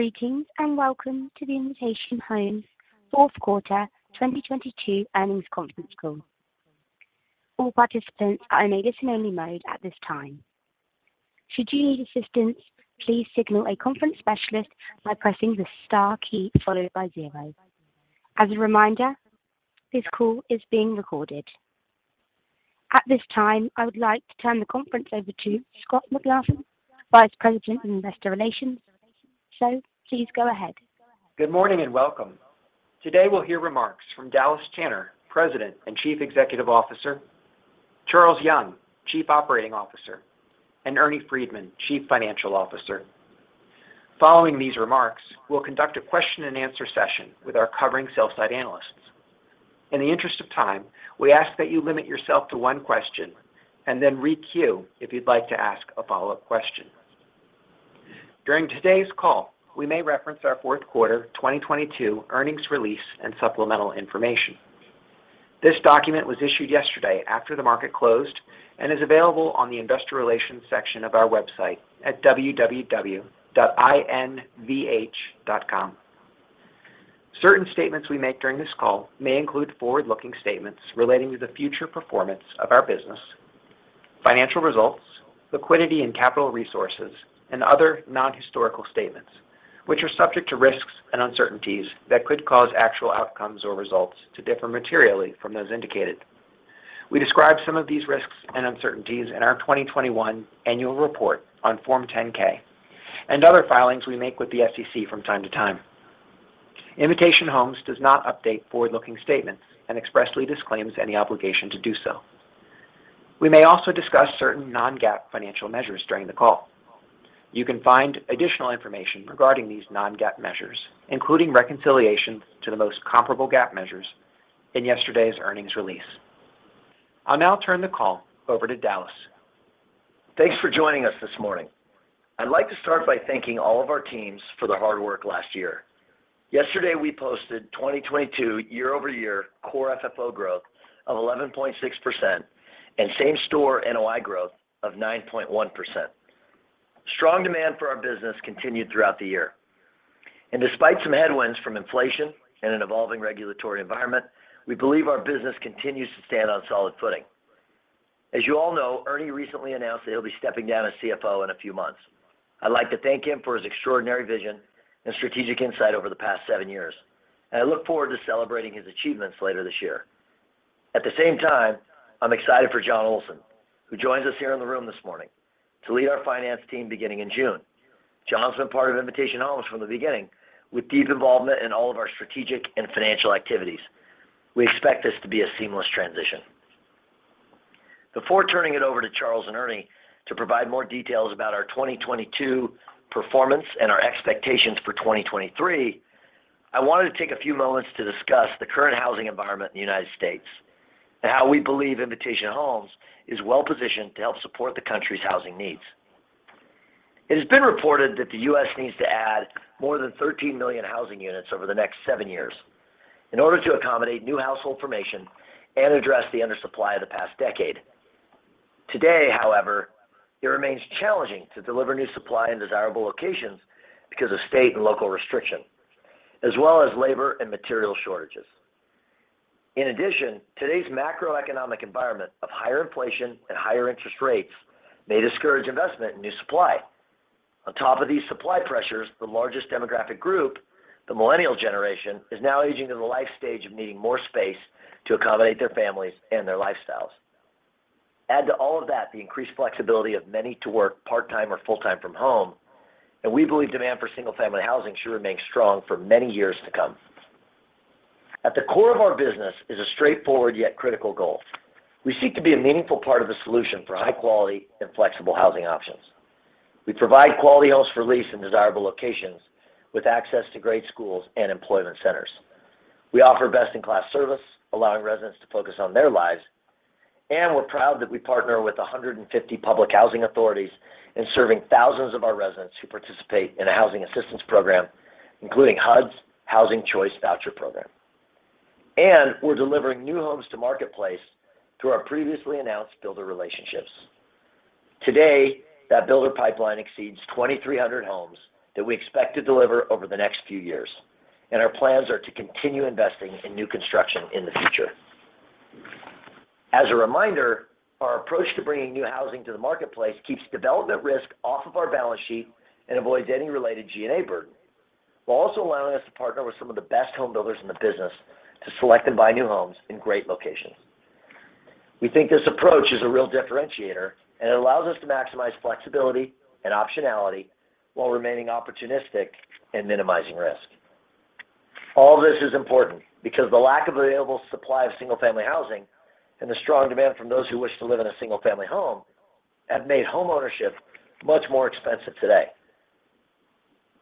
Greetings, and welcome to the Invitation Homes 4th quarter 2022 earnings conference call. All participants are in listen-only mode at this time. Should you need assistance, please signal a conference specialist by pressing the * key followed by 0. As a reminder, this call is being recorded. At this time, I would like to turn the conference over to Scott McLaughlin, Vice President of Investor Relations. Please go ahead. Good morning. Welcome. Today we'll hear remarks from Dallas Tanner, President and Chief Executive Officer, Charles Young, Chief Operating Officer, and Ernie Freedman, Chief Financial Officer. Following these remarks, we'll conduct a question-and-answer session with our covering sell-side analysts. In the interest of time, we ask that you limit yourself to 1 question and then re-queue if you'd like to ask a follow-up question. During today's call, we may reference our fourth quarter 2022 earnings release and supplemental information. This document was issued yesterday after the market closed and is available on the Investor Relations section of our website at www.invh.com. Certain statements we make during this call may include forward-looking statements relating to the future performance of our business, financial results, liquidity and capital resources, and other non-historical statements, which are subject to risks and uncertainties that could cause actual outcomes or results to differ materially from those indicated. We describe some of these risks and uncertainties in our 2021 annual report on Form 10-K and other filings we make with the SEC from time to time. Invitation Homes does not update forward-looking statements and expressly disclaims any obligation to do so. We may also discuss certain non-GAAP financial measures during the call. You can find additional information regarding these non-GAAP measures, including reconciliation to the most comparable GAAP measures in yesterday's earnings release. I'll now turn the call over to Dallas. Thanks for joining us this morning. I'd like to start by thanking all of our teams for their hard work last year. Yesterday, we posted 2022 year-over-year Core FFO growth of 11.6% and same-store NOI growth of 9.1%. Strong demand for our business continued throughout the year. Despite some headwinds from inflation and an evolving regulatory environment, we believe our business continues to stand on solid footing. As you all know, Ernie recently announced that he'll be stepping down as CFO in a few months. I'd like to thank him for his extraordinary vision and strategic insight over the past 7 years. I look forward to celebrating his achievements later this year. At the same time, I'm excited for Jon Olsen, who joins us here in the room this morning, to lead our finance team beginning in June. Jon's been part of Invitation Homes from the beginning with deep involvement in all of our strategic and financial activities. We expect this to be a seamless transition. Before turning it over to Charles and Ernie to provide more details about our 2022 performance and our expectations for 2023, I wanted to take a few moments to discuss the current housing environment in the United States and how we believe Invitation Homes is well-positioned to help support the country's housing needs. It has been reported that the U.S. needs to add more than 13 million housing units over the next 7 years in order to accommodate new household formation and address the undersupply of the past decade. Today, however, it remains challenging to deliver new supply in desirable locations because of state and local restrictions, as well as labor and material shortages. In addition, today's macroeconomic environment of higher inflation and higher interest rates may discourage investment in new supply. On top of these supply pressures, the largest demographic group, the millennial generation, is now aging to the life stage of needing more space to accommodate their families and their lifestyles. Add to all of that the increased flexibility of many to work part-time or full-time from home, and we believe demand for single-family housing should remain strong for many years to come. At the core of our business is a straightforward yet critical goal. We seek to be a meaningful part of the solution for high-quality and flexible housing options. We provide quality homes for lease in desirable locations with access to great schools and employment centers. We offer best-in-class service, allowing residents to focus on their lives. We're proud that we partner with 150 public housing authorities in serving thousands of our residents who participate in a housing assistance program, including HUD's Housing Choice Voucher Program. We're delivering new homes to marketplace through our previously announced builder relationships. Today, that builder pipeline exceeds 2,300 homes that we expect to deliver over the next few years, and our plans are to continue investing in new construction in the future. As a reminder, our approach to bringing new housing to the marketplace keeps development risk off of our balance sheet and avoids any related G&A burden, while also allowing us to partner with some of the best home builders in the business to select and buy new homes in great locations. We think this approach is a real differentiator. It allows us to maximize flexibility and optionality while remaining opportunistic and minimizing risk. All this is important because the lack of available supply of single-family housing and the strong demand from those who wish to live in a single-family home have made homeownership much more expensive today.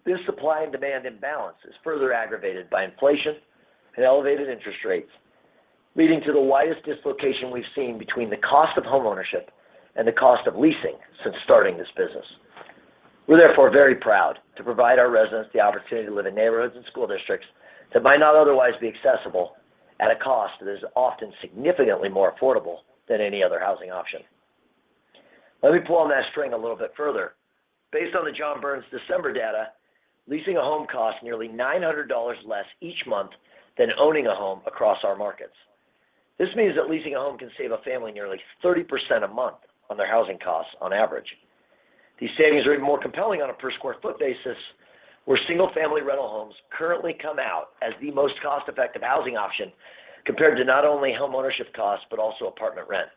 This supply and demand imbalance is further aggravated by inflation and elevated interest rates, leading to the widest dislocation we've seen between the cost of homeownership and the cost of leasing since starting this business. We're therefore very proud to provide our residents the opportunity to live in neighborhoods and school districts that might not otherwise be accessible at a cost that is often significantly more affordable than any other housing option. Let me pull on that string a little bit further. Based on the John Burns December data, leasing a home costs nearly $900 less each month than owning a home across our markets. This means that leasing a home can save a family nearly 30% a month on their housing costs on average. These savings are even more compelling on a per square foot basis, where single-family rental homes currently come out as the most cost-effective housing option compared to not only homeownership costs, but also apartment rent.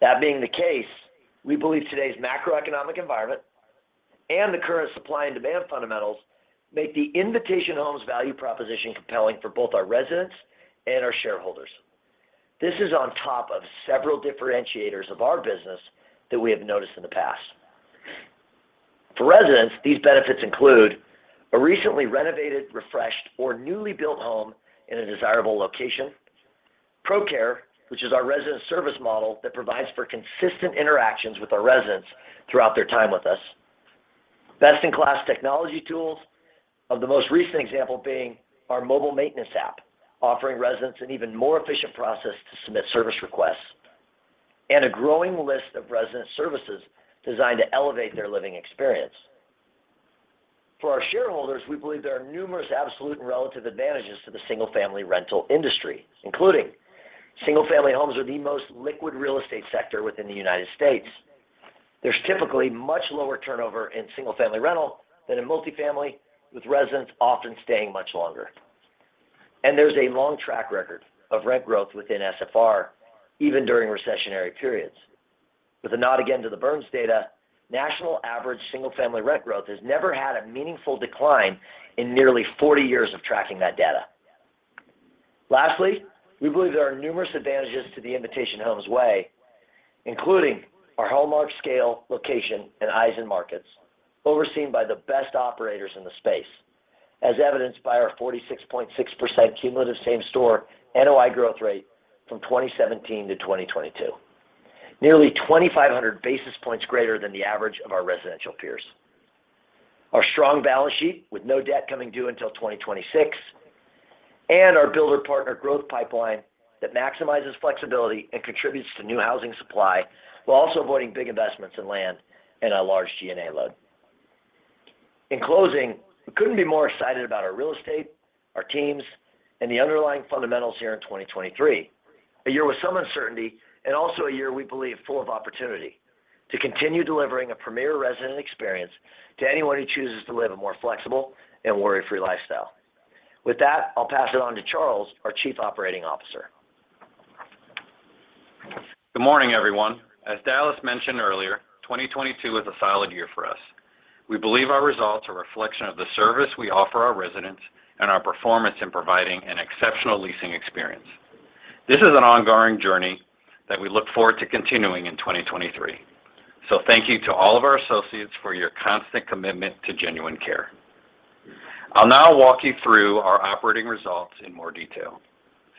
That being the case, we believe today's macroeconomic environment and the current supply and demand fundamentals make the Invitation Homes value proposition compelling for both our residents and our shareholders. This is on top of several differentiators of our business that we have noticed in the past. For residents, these benefits include a recently renovated, refreshed, or newly built home in a desirable location. ProCare, which is our resident service model that provides for consistent interactions with our residents throughout their time with us. Best-in-class technology tools of the most recent example being our mobile maintenance app, offering residents an even more efficient process to submit service requests. A growing list of resident services designed to elevate their living experience. For our shareholders, we believe there are numerous absolute and relative advantages to the single-family rental industry, including single-family homes are the most liquid real estate sector within the U.S. There's typically much lower turnover in single-family rental than in multifamily, with residents often staying much longer. There's a long track record of rent growth within SFR, even during recessionary periods. With a nod again to the Burns data, national average single-family rent growth has never had a meaningful decline in nearly 40 years of tracking that data. Lastly, we believe there are numerous advantages to the Invitation Homes way, including our hallmark scale, location, and eyes in markets, overseen by the best operators in the space, as evidenced by our 46.6% cumulative same store NOI growth rate from 2017 to 2022. Nearly 2,500 basis points greater than the average of our residential peers. Our strong balance sheet with no debt coming due until 2026, and our builder partner growth pipeline that maximizes flexibility and contributes to new housing supply while also avoiding big investments in land and a large G&A load. In closing, we couldn't be more excited about our real estate, our teams, and the underlying fundamentals here in 2023. A year with some uncertainty, and also a year we believe full of opportunity to continue delivering a premier resident experience to anyone who chooses to live a more flexible and worry-free lifestyle. With that, I'll pass it on to Charles, our Chief Operating Officer. Good morning, everyone. As Dallas mentioned earlier, 2022 was a solid year for us. We believe our results are a reflection of the service we offer our residents and our performance in providing an exceptional leasing experience. This is an ongoing journey that we look forward to continuing in 2023. Thank you to all of our associates for your constant commitment to genuine care. I'll now walk you through our operating results in more detail.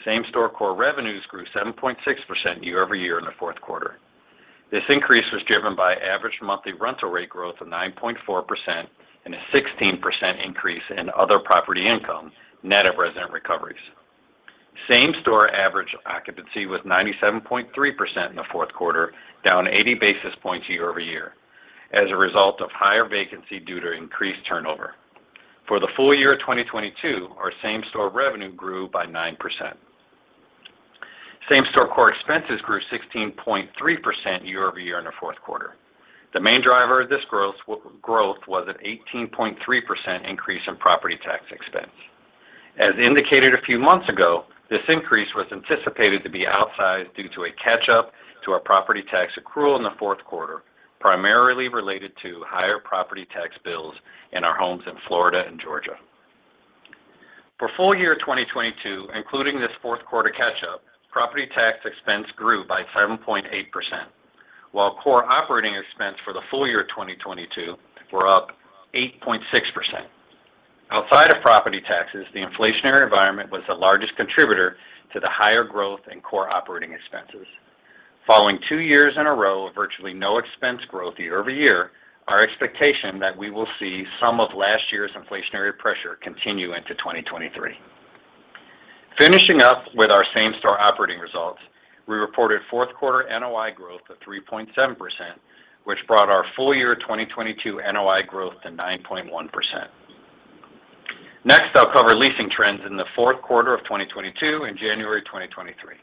Same-store core revenues grew 7.6% year-over-year in the fourth quarter. This increase was driven by average monthly rental rate growth of 9.4% and a 16% increase in other property income, net of resident recoveries. Same-store average occupancy was 97.3% in the fourth quarter, down 80 basis points year-over-year as a result of higher vacancy due to increased turnover. For the full year of 2022, our same-store revenue grew by 9%. Same-store core expenses grew 16.3% year-over-year in the fourth quarter. The main driver of this growth was an 18.3% increase in property tax expense. As indicated a few months ago, this increase was anticipated to be outsized due to a catch-up to our property tax accrual in the fourth quarter, primarily related to higher property tax bills in our homes in Florida and Georgia. For full year 2022, including this fourth quarter catch-up, property tax expense grew by 7.8%, while core operating expense for the full year 2022 were up 8.6%. Outside of property taxes, the inflationary environment was the largest contributor to the higher growth in core operating expenses. Following 2 years in a row of virtually no expense growth year-over-year, our expectation that we will see some of last year's inflationary pressure continue into 2023. Finishing up with our same-store operating results, we reported fourth quarter NOI growth of 3.7%, which brought our full year 2022 NOI growth to 9.1%. Next, I'll cover leasing trends in the fourth quarter of 2022 and January 2023.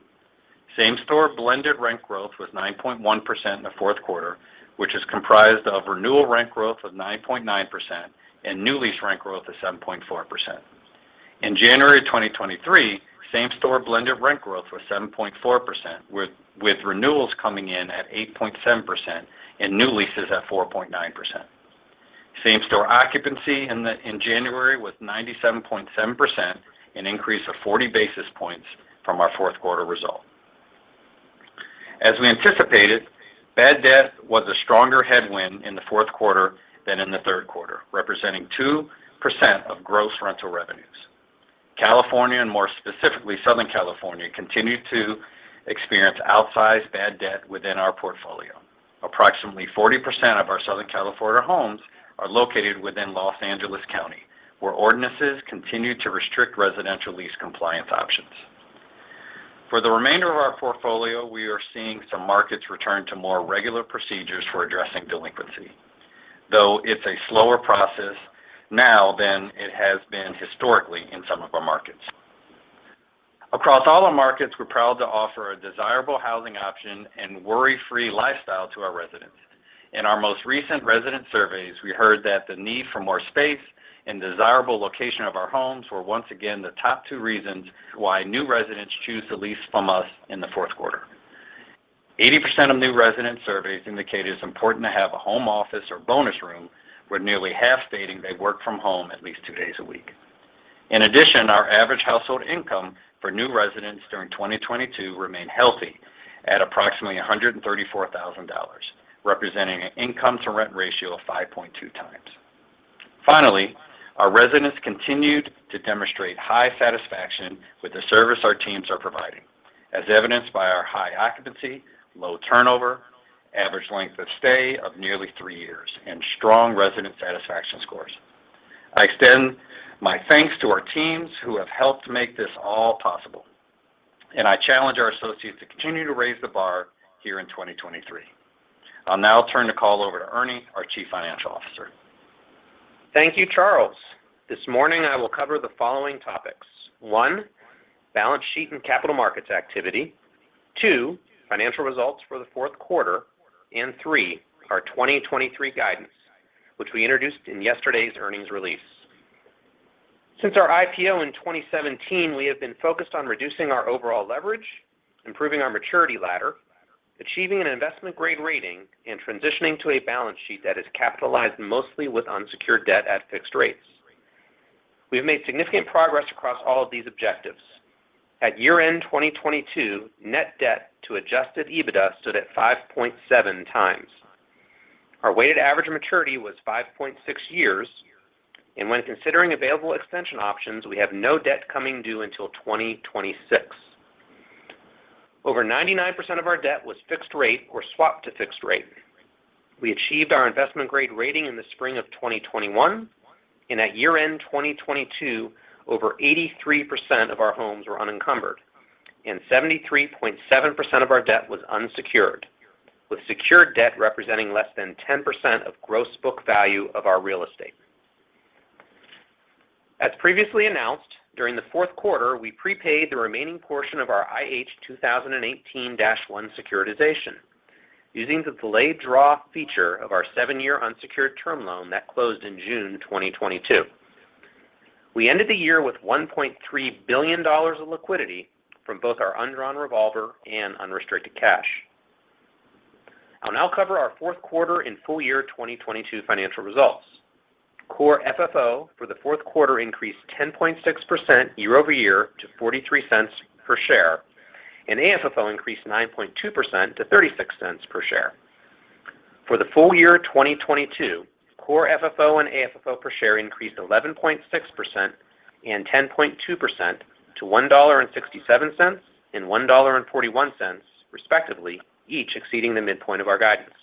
Same-store blended rent growth was 9.1% in the fourth quarter, which is comprised of renewal rent growth of 9.9% and new lease rent growth of 7.4%. In January 2023, same-store blended rent growth was 7.4%, with renewals coming in at 8.7% and new leases at 4.9%. Same-store occupancy in January was 97.7%, an increase of 40 basis points from our fourth quarter result. As we anticipated, bad debt was a stronger headwind in the fourth quarter than in the third quarter, representing 2% of gross rental revenues. California, and more specifically Southern California, continued to experience outsized bad debt within our portfolio. Approximately 40% of our Southern California homes are located within Los Angeles County, where ordinances continue to restrict residential lease compliance options. For the remainder of our portfolio, we are seeing some markets return to more regular procedures for addressing delinquency, though it's a slower process now than it has been historically in some of our markets. Across all our markets, we're proud to offer a desirable housing option and worry-free lifestyle to our residents. In our most recent resident surveys, we heard that the need for more space and desirable location of our homes were once again the top two reasons why new residents choose to lease from us in the fourth quarter. 80% of new resident surveys indicated it's important to have a home office or bonus room, with nearly half stating they work from home at least two days a week. In addition, our average household income for new residents during 2022 remained healthy at approximately $134,000, representing an income to rent ratio of 5.2 times. Finally, our residents continued to demonstrate high satisfaction with the service our teams are providing, as evidenced by our high occupancy, low turnover, average length of stay of nearly three years, and strong resident satisfaction scores. I extend my thanks to our teams who have helped make this all possible. I challenge our associates to continue to raise the bar here in 2023. I'll now turn the call over to Ernie, our Chief Financial Officer. Thank you, Charles. This morning, I will cover the following topics. One, balance sheet and capital markets activity. Two, financial results for the fourth quarter. Three, our 2023 guidance, which we introduced in yesterday's earnings release. Since our IPO in 2017, we have been focused on reducing our overall leverage, improving our maturity ladder, achieving an investment-grade rating, and transitioning to a balance sheet that is capitalized mostly with unsecured debt at fixed rates. We've made significant progress across all of these objectives. At year-end 2022, net debt to adjusted EBITDA stood at 5.7x. Our weighted average maturity was 5.6 years, and when considering available extension options, we have no debt coming due until 2026. Over 99% of our debt was fixed rate or swapped to fixed rate. We achieved our investment-grade rating in the spring of 2021. At year-end 2022, over 83% of our homes were unencumbered, and 73.7% of our debt was unsecured, with secured debt representing less than 10% of gross book value of our real estate. As previously announced, during the fourth quarter, we prepaid the remaining portion of our IH 2018-1 securitization using the delayed draw feature of our 7-year unsecured term loan that closed in June 2022. We ended the year with $1.3 billion of liquidity from both our undrawn revolver and unrestricted cash. I'll now cover our fourth quarter and full year 2022 financial results. Core FFO for the fourth quarter increased 10.6% year-over-year to $0.43 per share, and AFFO increased 9.2% to $0.36 per share. For the full year 2022, Core FFO and AFFO per share increased 11.6% and 10.2% to $1.67 and $1.41, respectively, each exceeding the midpoint of our guidance.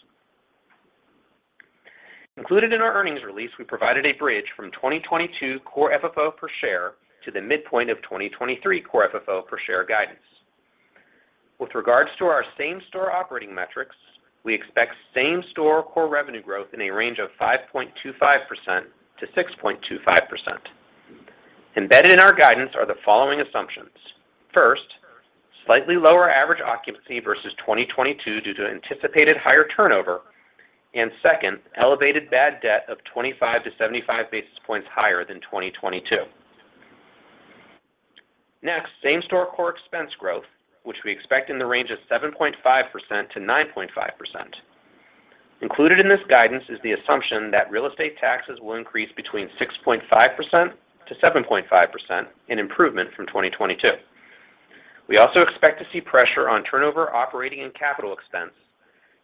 Included in our earnings release, we provided a bridge from 2022 Core FFO per share to the midpoint of 2023 Core FFO per share guidance. With regards to our same-store operating metrics, we expect same-store core revenue growth in a range of 5.25%-6.25%. Embedded in our guidance are the following assumptions. First, slightly lower average occupancy versus 2022 due to anticipated higher turnover. Second, elevated bad debt of 25-75 basis points higher than 2022. Next, same store core expense growth, which we expect in the range of 7.5%-9.5%. Included in this guidance is the assumption that real estate taxes will increase between 6.5%-7.5%, an improvement from 2022. We also expect to see pressure on turnover operating and capital expense,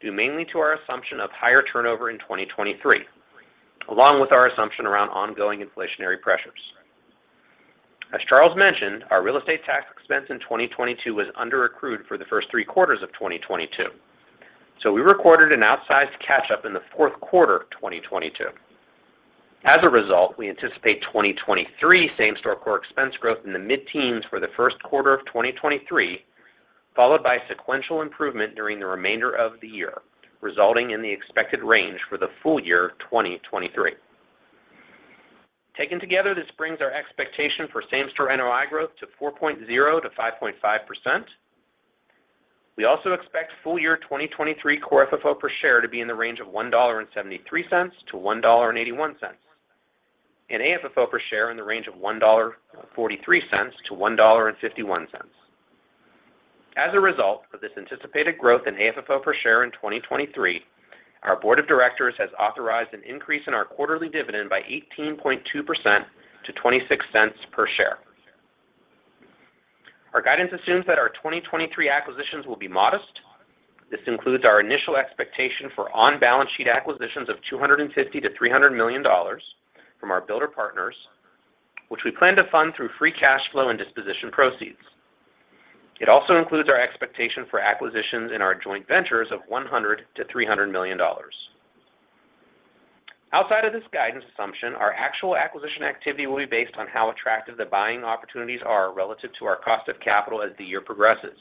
due mainly to our assumption of higher turnover in 2023, along with our assumption around ongoing inflationary pressures. As Charles mentioned, our real estate tax expense in 2022 was underaccrued for the first three quarters of 2022. We recorded an outsized catch-up in the fourth quarter of 2022. As a result, we anticipate 2023 same-store core expense growth in the mid-teens for the first quarter of 2023, followed by sequential improvement during the remainder of the year, resulting in the expected range for the full year of 2023. Taken together, this brings our expectation for same-store NOI growth to 4.0%-5.5%. We also expect full year 2023 Core FFO per share to be in the range of $1.73-$1.81. AFFO per share in the range of $1.43-$1.51. As a result of this anticipated growth in AFFO per share in 2023, our board of directors has authorized an increase in our quarterly dividend by 18.2% to $0.26 per share. Our guidance assumes that our 2023 acquisitions will be modest. This includes our initial expectation for on-balance sheet acquisitions of $250 million-$300 million from our builder partners, which we plan to fund through free cash flow and disposition proceeds. It also includes our expectation for acquisitions in our joint ventures of $100 million-$300 million. Outside of this guidance assumption, our actual acquisition activity will be based on how attractive the buying opportunities are relative to our cost of capital as the year progresses.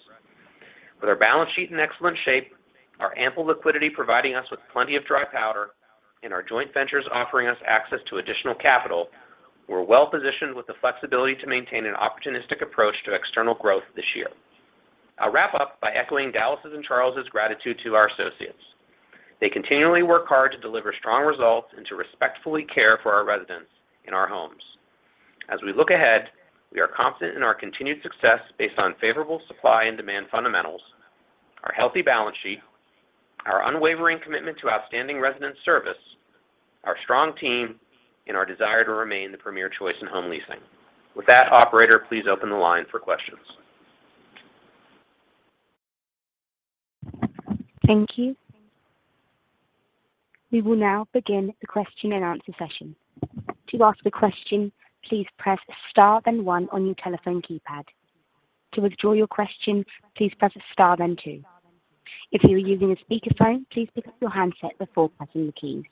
With our balance sheet in excellent shape, our ample liquidity providing us with plenty of dry powder, and our joint ventures offering us access to additional capital, we're well-positioned with the flexibility to maintain an opportunistic approach to external growth this year. I'll wrap up by echoing Dallas's and Charles' gratitude to our associates. They continually work hard to deliver strong results and to respectfully care for our residents in our homes. As we look ahead, we are confident in our continued success based on favorable supply and demand fundamentals, our healthy balance sheet, our unwavering commitment to outstanding resident service, our strong team, and our desire to remain the premier choice in home leasing. With that, operator, please open the line for questions. Thank you. We will now begin the question-and-answer session. To ask a question, please press * then 1 on your telephone keypad. To withdraw your question, please press * then 2. If you are using a speakerphone, please pick up your handset before pressing the keys.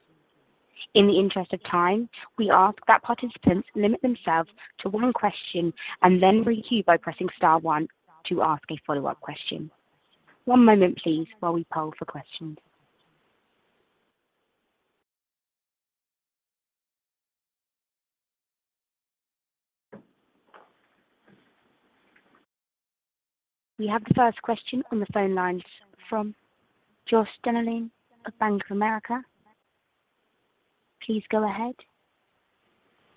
In the interest of time, we ask that participants limit themselves to 1 question and then re-queue by pressing *1 to ask a follow-up question. 1 moment please while we poll for questions. We have the first question on the phone lines from Joshua Dennerlein of Bank of America. Please go ahead.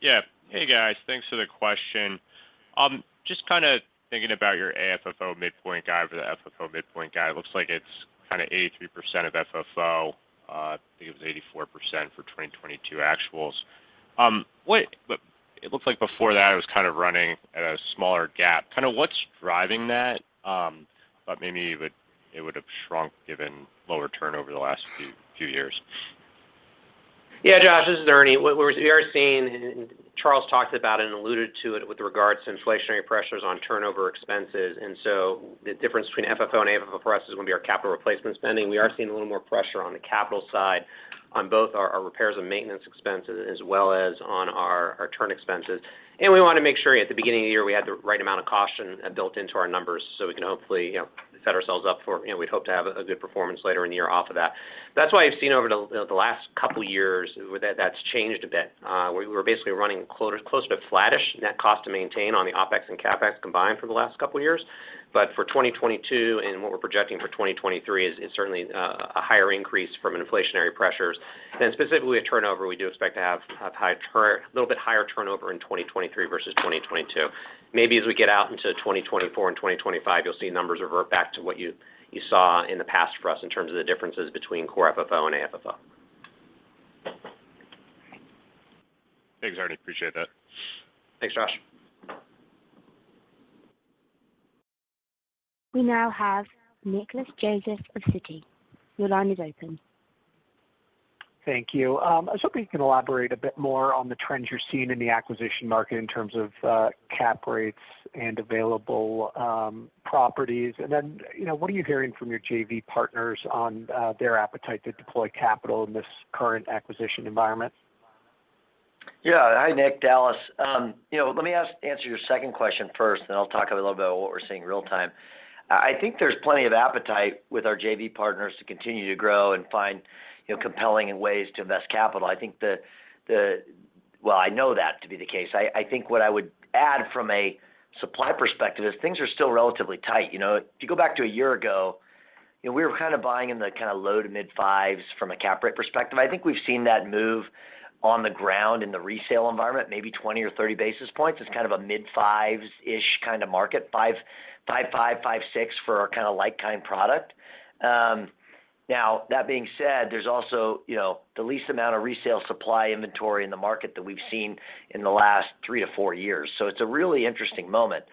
Yeah. Hey, guys. Thanks for the question. Just kinda thinking about your AFFO midpoint guide or the FFO midpoint guide. It looks like it's kinda 83% of FFO. I think it was 84% for 2022 actuals. It looks like before that it was kind of running at a smaller gap. What's driving that? Maybe it would have shrunk given lower turnover the last few years. Yeah. Josh, this is Ernie. What we are seeing, and Charles talked about it and alluded to it with regards to inflationary pressures on turnover expenses, the difference between FFO and AFFO for us is gonna be our capital replacement spending. We are seeing a little more pressure on the capital side on both our repairs and maintenance expenses as well as on our turn expenses. We wanna make sure at the beginning of the year we had the right amount of caution built into our numbers, so we can hopefully, you know, set ourselves up for, you know, we'd hope to have a good performance later in the year off of that. That's why you've seen over the last couple years that that's changed a bit. We were basically running closer to flattish net cost to maintain on the OpEx and CapEx combined for the last couple years. For 2022 and what we're projecting for 2023 is certainly a higher increase from an inflationary pressures. Specifically with turnover, we do expect to have a little bit higher turnover in 2023 versus 2022. Maybe as we get out into 2024 and 2025, you'll see numbers revert back to what you saw in the past for us in terms of the differences between Core FFO and AFFO. Thanks, Ernie. Appreciate that. Thanks, Josh. We now have Nick Joseph of Citi. Your line is open. Thank you. I was hoping you could elaborate a bit more on the trends you're seeing in the acquisition market in terms of cap rates and available properties. You know, what are you hearing from your JV partners on their appetite to deploy capital in this current acquisition environment? Hi, Nick. Dallas. You know, let me answer your second question first, and then I'll talk a little bit about what we're seeing real time. I think there's plenty of appetite with our JV partners to continue to grow and find, you know, compelling ways to invest capital. I think, well, I know that to be the case. I think what I would add from a supply perspective is things are still relatively tight. You know, if you go back to a year ago, you know, we were kinda buying in the kinda low to mid-5s from a cap rate perspective. I think we've seen that move on the ground in the resale environment, maybe 20 or 30 basis points. It's kind of a mid-5s-ish kinda market, 5.5.6 for our kinda like kind product. Now that being said, there's also, you know, the least amount of resale supply inventory in the market that we've seen in the last 3-4 years. It's a really interesting moment.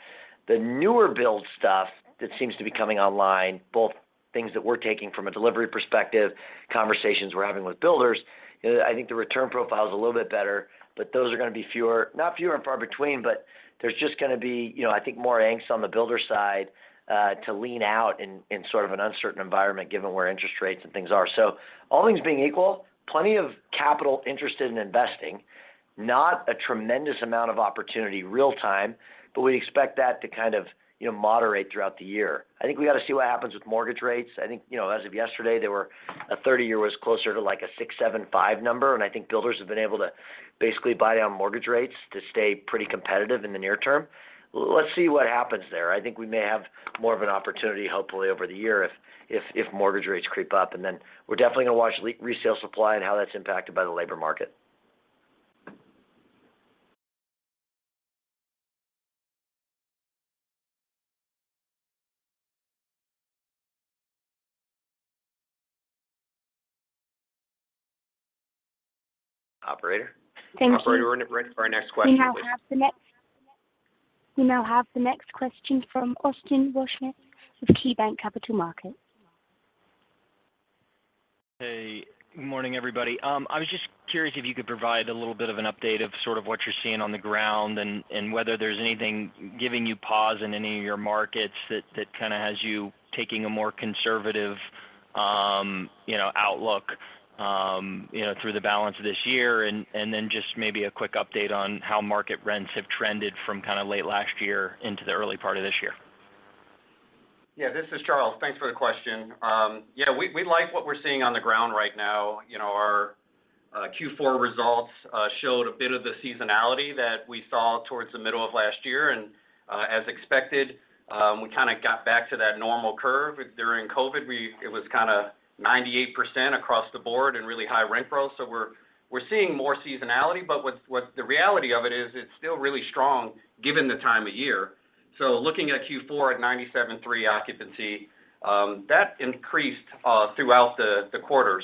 The newer build stuff that seems to be coming online, both things that we're taking from a delivery perspective, conversations we're having with builders, you know, I think the return profile is a little bit better, but those are gonna be fewer. Not few and far between, but there's just gonna be, you know, I think more angst on the builder side to lean out in sort of an uncertain environment given where interest rates and things are. All things being equal, plenty of capital interested in investing, not a tremendous amount of opportunity real time, but we'd expect that to kind of, you know, moderate throughout the year. I think we gotta see what happens with mortgage rates. I think, you know, as of yesterday, they were a 30-year was closer to, like a 6.75 number, and I think builders have been able to basically buy down mortgage rates to stay pretty competitive in the near term. Let's see what happens there. I think we may have more of an opportunity, hopefully over the year if mortgage rates creep up. Then we're definitely gonna watch resale supply and how that's impacted by the labor market. Operator? Thank you. Operator, we're now ready for our next question, please. We now have the next question from Austin Wurschmidt with KeyBank Capital Markets. Hey, good morning, everybody. I was just curious if you could provide a little bit of an update of sort of what you're seeing on the ground and whether there's anything giving you pause in any of your markets that kinda has you taking a more conservative You know, outlook, you know, through the balance of this year. Then just maybe a quick update on how market rents have trended from kind of late last year into the early part of this year. This is Charles. Thanks for the question. We like what we're seeing on the ground right now. You know, our Q4 results showed a bit of the seasonality that we saw towards the middle of last year. As expected, we kinda got back to that normal curve. During COVID, it was kinda 98% across the board and really high rent growth. We're seeing more seasonality, but what's the reality of it is it's still really strong given the time of year. Looking at Q4 at 97.3% occupancy, that increased throughout the quarter.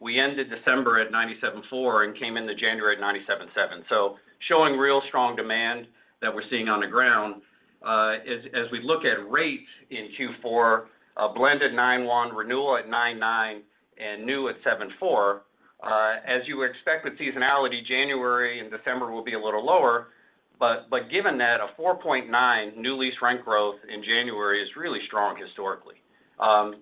We ended December at 97.4% and came into January at 97.7%. Showing real strong demand that we're seeing on the ground. As we look at rates in Q4, a blended 9.1% renewal at 9.9% and new at 7.4%. As you would expect with seasonality, January and December will be a little lower, given that a 4.9% new lease rent growth in January is really strong historically.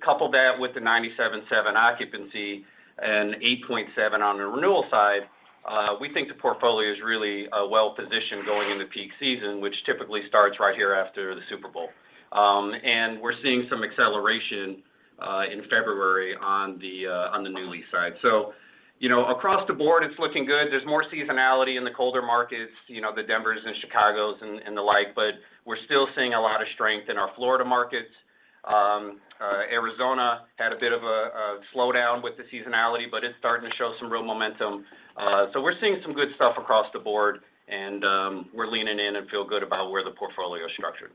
Couple that with the 97.7% occupancy and 8.7% on the renewal side, we think the portfolio is really well-positioned going into peak season, which typically starts right here after the Super Bowl. We're seeing some acceleration in February on the new lease side. You know, across the board it's looking good. There's more seasonality in the colder markets, you know, the Denvers and Chicagos and the like, we're still seeing a lot of strength in our Florida markets. Arizona had a bit of a slowdown with the seasonality. It's starting to show some real momentum. We're seeing some good stuff across the board and we're leaning in and feel good about where the portfolio is structured.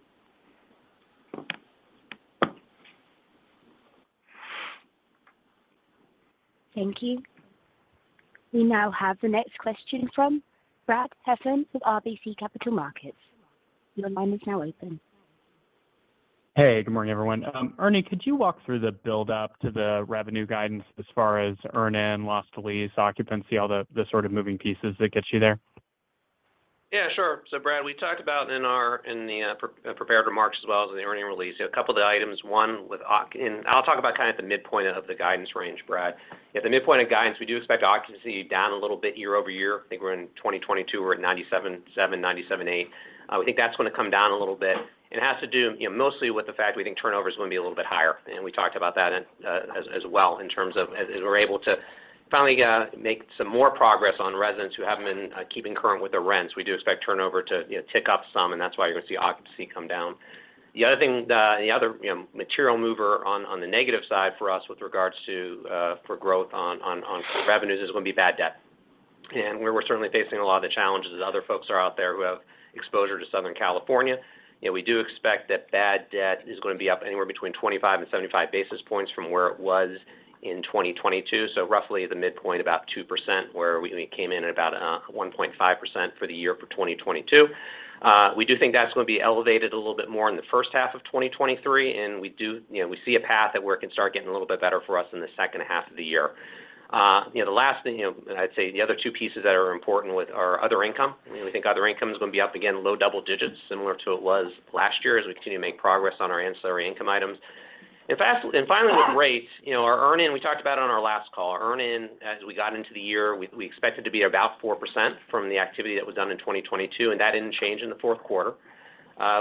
Thank you. We now have the next question from Brad Heffern with RBC Capital Markets. Your line is now open. Hey, good morning, everyone. Ernie, could you walk through the buildup to the revenue guidance as far as earn-in, loss to lease, occupancy, all the sort of moving pieces that gets you there? Yeah, sure. Brad, we talked about in our in the prepared remarks as well as in the earning release. A couple of the items. One, with I'll talk about kind of the midpoint of the guidance range, Brad. At the midpoint of guidance, we do expect occupancy down a little bit year-over-year. I think we're in 2022, we're at 97.7%, 97.8%. We think that's gonna come down a little bit. It has to do, you know, mostly with the fact we think turnover is gonna be a little bit higher. We talked about that as well in terms of as we're able to finally make some more progress on residents who haven't been keeping current with the rents. We do expect turnover to, you know, tick up some, that's why you're gonna see occupancy come down. The other, you know, material mover on the negative side for us with regards to for growth on revenues is gonna be bad debt. We're certainly facing a lot of the challenges as other folks are out there who have exposure to Southern California. You know, we do expect that bad debt is gonna be up anywhere between 25 and 75 basis points from where it was in 2022. Roughly the midpoint, about 2%, where we came in at about 1.5% for the year for 2022. We do think that's gonna be elevated a little bit more in the first half of 2023. We do, you know, we see a path that where it can start getting a little bit better for us in the second half of the year. You know, the last thing, you know, and I'd say the other two pieces that are important with our other income. You know, we think other income is gonna be up again, low double digits, similar to it was last year as we continue to make progress on our ancillary income items. Finally with rates, you know, our earn-in we talked about on our last call. Our earn-in as we got into the year, we expect it to be about 4% from the activity that was done in 2022, and that didn't change in the fourth quarter.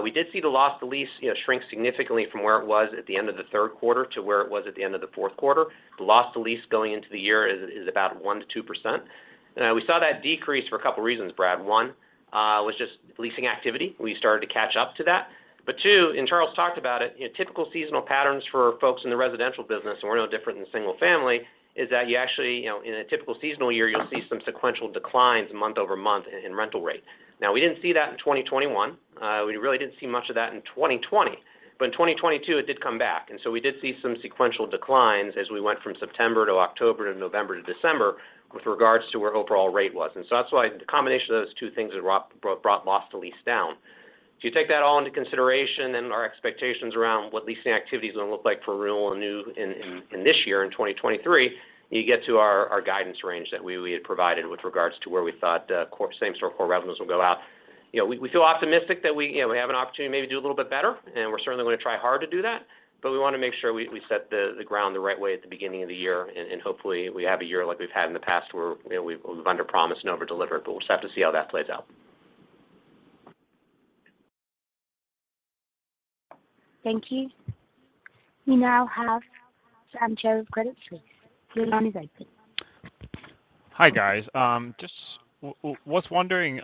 We did see the loss to lease, you know, shrink significantly from where it was at the end of the third quarter to where it was at the end of the fourth quarter. The loss to lease going into the year is about 1%-2%. We saw that decrease for a couple of reasons, Brad. One was just leasing activity. We started to catch up to that. Two, and Charles talked about it, typical seasonal patterns for folks in the residential business, and we're no different than single family, is that you actually, you know, in a typical seasonal year, you'll see some sequential declines month-over-month in rental rate. We didn't see that in 2021. We really didn't see much of that in 2020. In 2022, it did come back. We did see some sequential declines as we went from September to October and November to December with regards to where overall rate was. That's why the combination of those two things have brought loss to lease down. If you take that all into consideration and our expectations around what leasing activity is gonna look like for renewal and new in this year, in 2023, you get to our guidance range that we had provided with regards to where we thought same-store core revenues will go out. You know, we feel optimistic that we, you know, we have an opportunity to maybe do a little bit better, and we're certainly gonna try hard to do that. We wanna make sure we set the ground the right way at the beginning of the year, and hopefully, we have a year like we've had in the past where, you know, we've underpromised and overdelivered, but we'll just have to see how that plays out. Thank you. We now have Sam Cho of Credit Suisse. Your line is open. Hi, guys. Just was wondering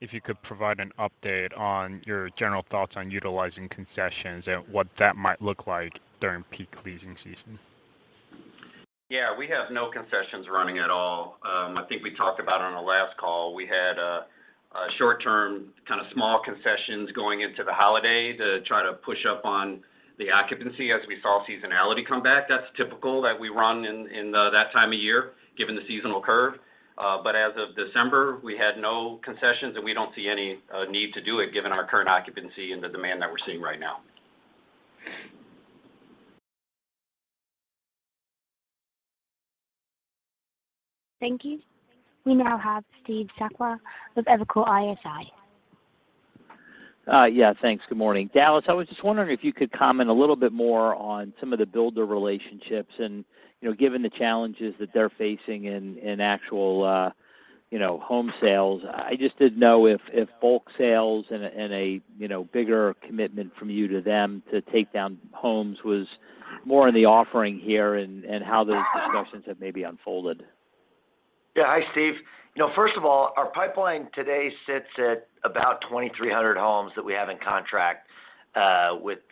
if you could provide an update on your general thoughts on utilizing concessions and what that might look like during peak leasing season? We have no concessions running at all. I think we talked about it on our last call. We had a short-term kind of small concessions going into the holiday to try to push up on the occupancy as we saw seasonality come back. That's typical that we run in, that time of year given the seasonal curve. As of December, we had no concessions, and we don't see any need to do it given our current occupancy and the demand that we're seeing right now. Thank you. We now have Steve Sakwa with Evercore ISI. Yeah, thanks. Good morning. Dallas, I was just wondering if you could comment a little bit more on some of the builder relationships and, you know, given the challenges that they're facing in actual, you know, home sales. I just didn't know if bulk sales and a, and a, you know, bigger commitment from you to them to take down homes was more in the offering here and how those discussions have maybe unfolded? Yeah. Hi, Steve. You know, first of all, our pipeline today sits at about 2,300 homes that we have in contract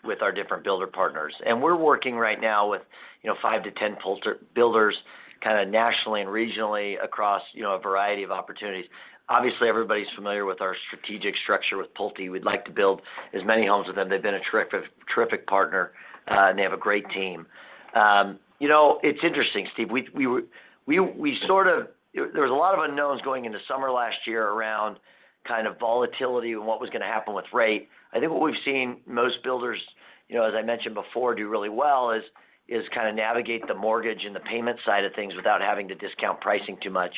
with our different builder partners. We're working right now with, you know, 5 to 10 Pulte builders, kind of nationally and regionally across, you know, a variety of opportunities. Obviously, everybody's familiar with our strategic structure with PulteGroup. We'd like to build as many homes with them. They've been a terrific partner, and they have a great team. You know, it's interesting, Steve. We sort of, there was a lot of unknowns going into summer last year around kind of volatility and what was gonna happen with rate. I think what we've seen most builders, you know, as I mentioned before, do really well is kind of navigate the mortgage and the payment side of things without having to discount pricing too much.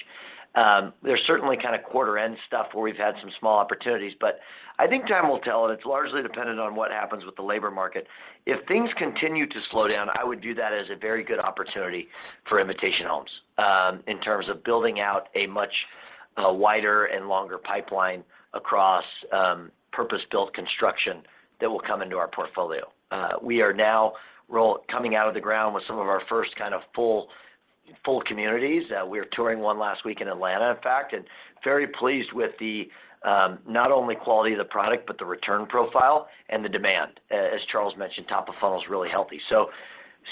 There's certainly kind of quarter end stuff where we've had some small opportunities, but I think time will tell, and it's largely dependent on what happens with the labor market. If things continue to slow down, I would view that as a very good opportunity for Invitation Homes, in terms of building out a much, wider and longer pipeline across, purpose-built construction that will come into our portfolio. We are now coming out of the ground with some of our first kind of full communities. We were touring one last week in Atlanta, in fact, and very pleased with the not only quality of the product, but the return profile and the demand. As Charles mentioned, top of funnel is really healthy.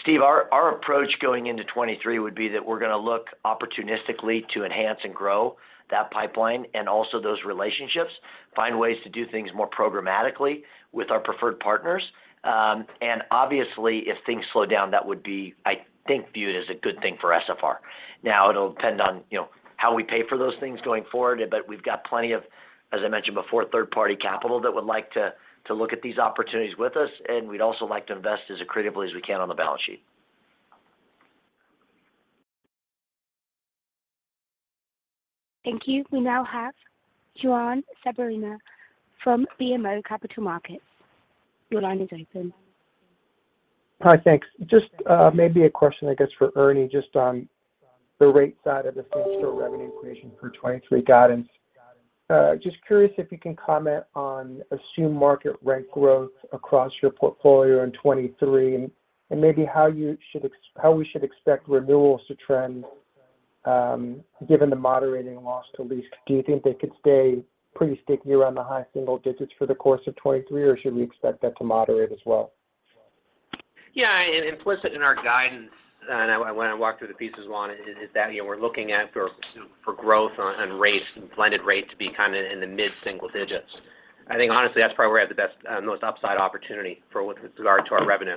Steve, our approach going into 23 would be that we're gonna look opportunistically to enhance and grow that pipeline and also those relationships, find ways to do things more programmatically with our preferred partners. Obviously, if things slow down, that would be, I think, viewed as a good thing for SFR. It'll depend on, you know, how we pay for those things going forward, but we've got plenty of, as I mentioned before, third-party capital that would like to look at these opportunities with us, and we'd also like to invest as accretively as we can on the balance sheet. Thank you. We now have Juan Sanabria from BMO Capital Markets. Your line is open. Hi. Thanks. Just, maybe a question, I guess, for Ernie, just on the rate side of the same-store revenue creation for 2023 guidance. Just curious if you can comment on assumed market rent growth across your portfolio in 2023 and maybe how we should expect renewals to trend, given the moderating loss to lease. Do you think they could stay pretty sticky around the high single digits for the course of 2023, or should we expect that to moderate as well? Yeah. Implicit in our guidance, and I wanna walk through the pieces, Juan, is that, you know, we're looking at for growth on rates and blended rate to be kinda in the mid single digits. I think, honestly, that's probably where we have the best most upside opportunity for with regard to our revenue.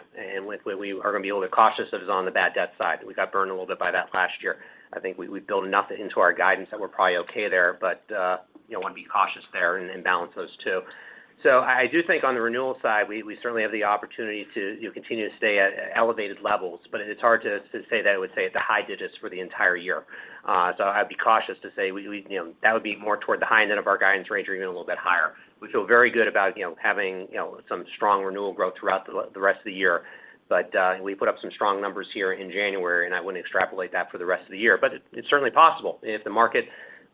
We are gonna be a little cautious of is on the bad debt side. We got burned a little bit by that last year. I think we've built enough into our guidance that we're probably okay there, but, you know, wanna be cautious there and balance those two. I do think on the renewal side, we certainly have the opportunity to, you know, continue to stay at elevated levels, but it's hard to say that I would say at the high digits for the entire year. I'd be cautious to say we. You know, that would be more toward the high end of our guidance range or even a little bit higher. We feel very good about, you know, having, you know, some strong renewal growth throughout the rest of the year. We put up some strong numbers here in January, and I wouldn't extrapolate that for the rest of the year. It's certainly possible. If the market,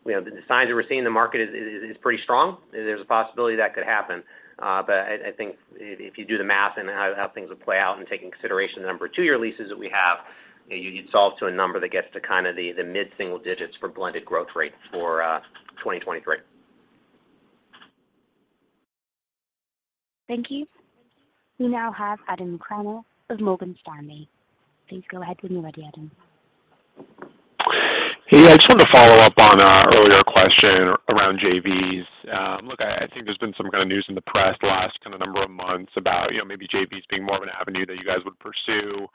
you know, the signs that we're seeing in the market is pretty strong, there's a possibility that could happen. I think if you do the math and how things would play out and take into consideration the number of 2-year leases that we have, you'd solve to a number that gets to kinda the mid single digits for blended growth rates for 2023. Thank you. We now have Adam Kramer of Morgan Stanley. Please go ahead when you're ready, Adam. Hey. I just wanted to follow up on an earlier question around JVs. Look, I think there's been some kind of news in the press the last kind of number of months about, you know, maybe JVs being more of an avenue that you guys would pursue.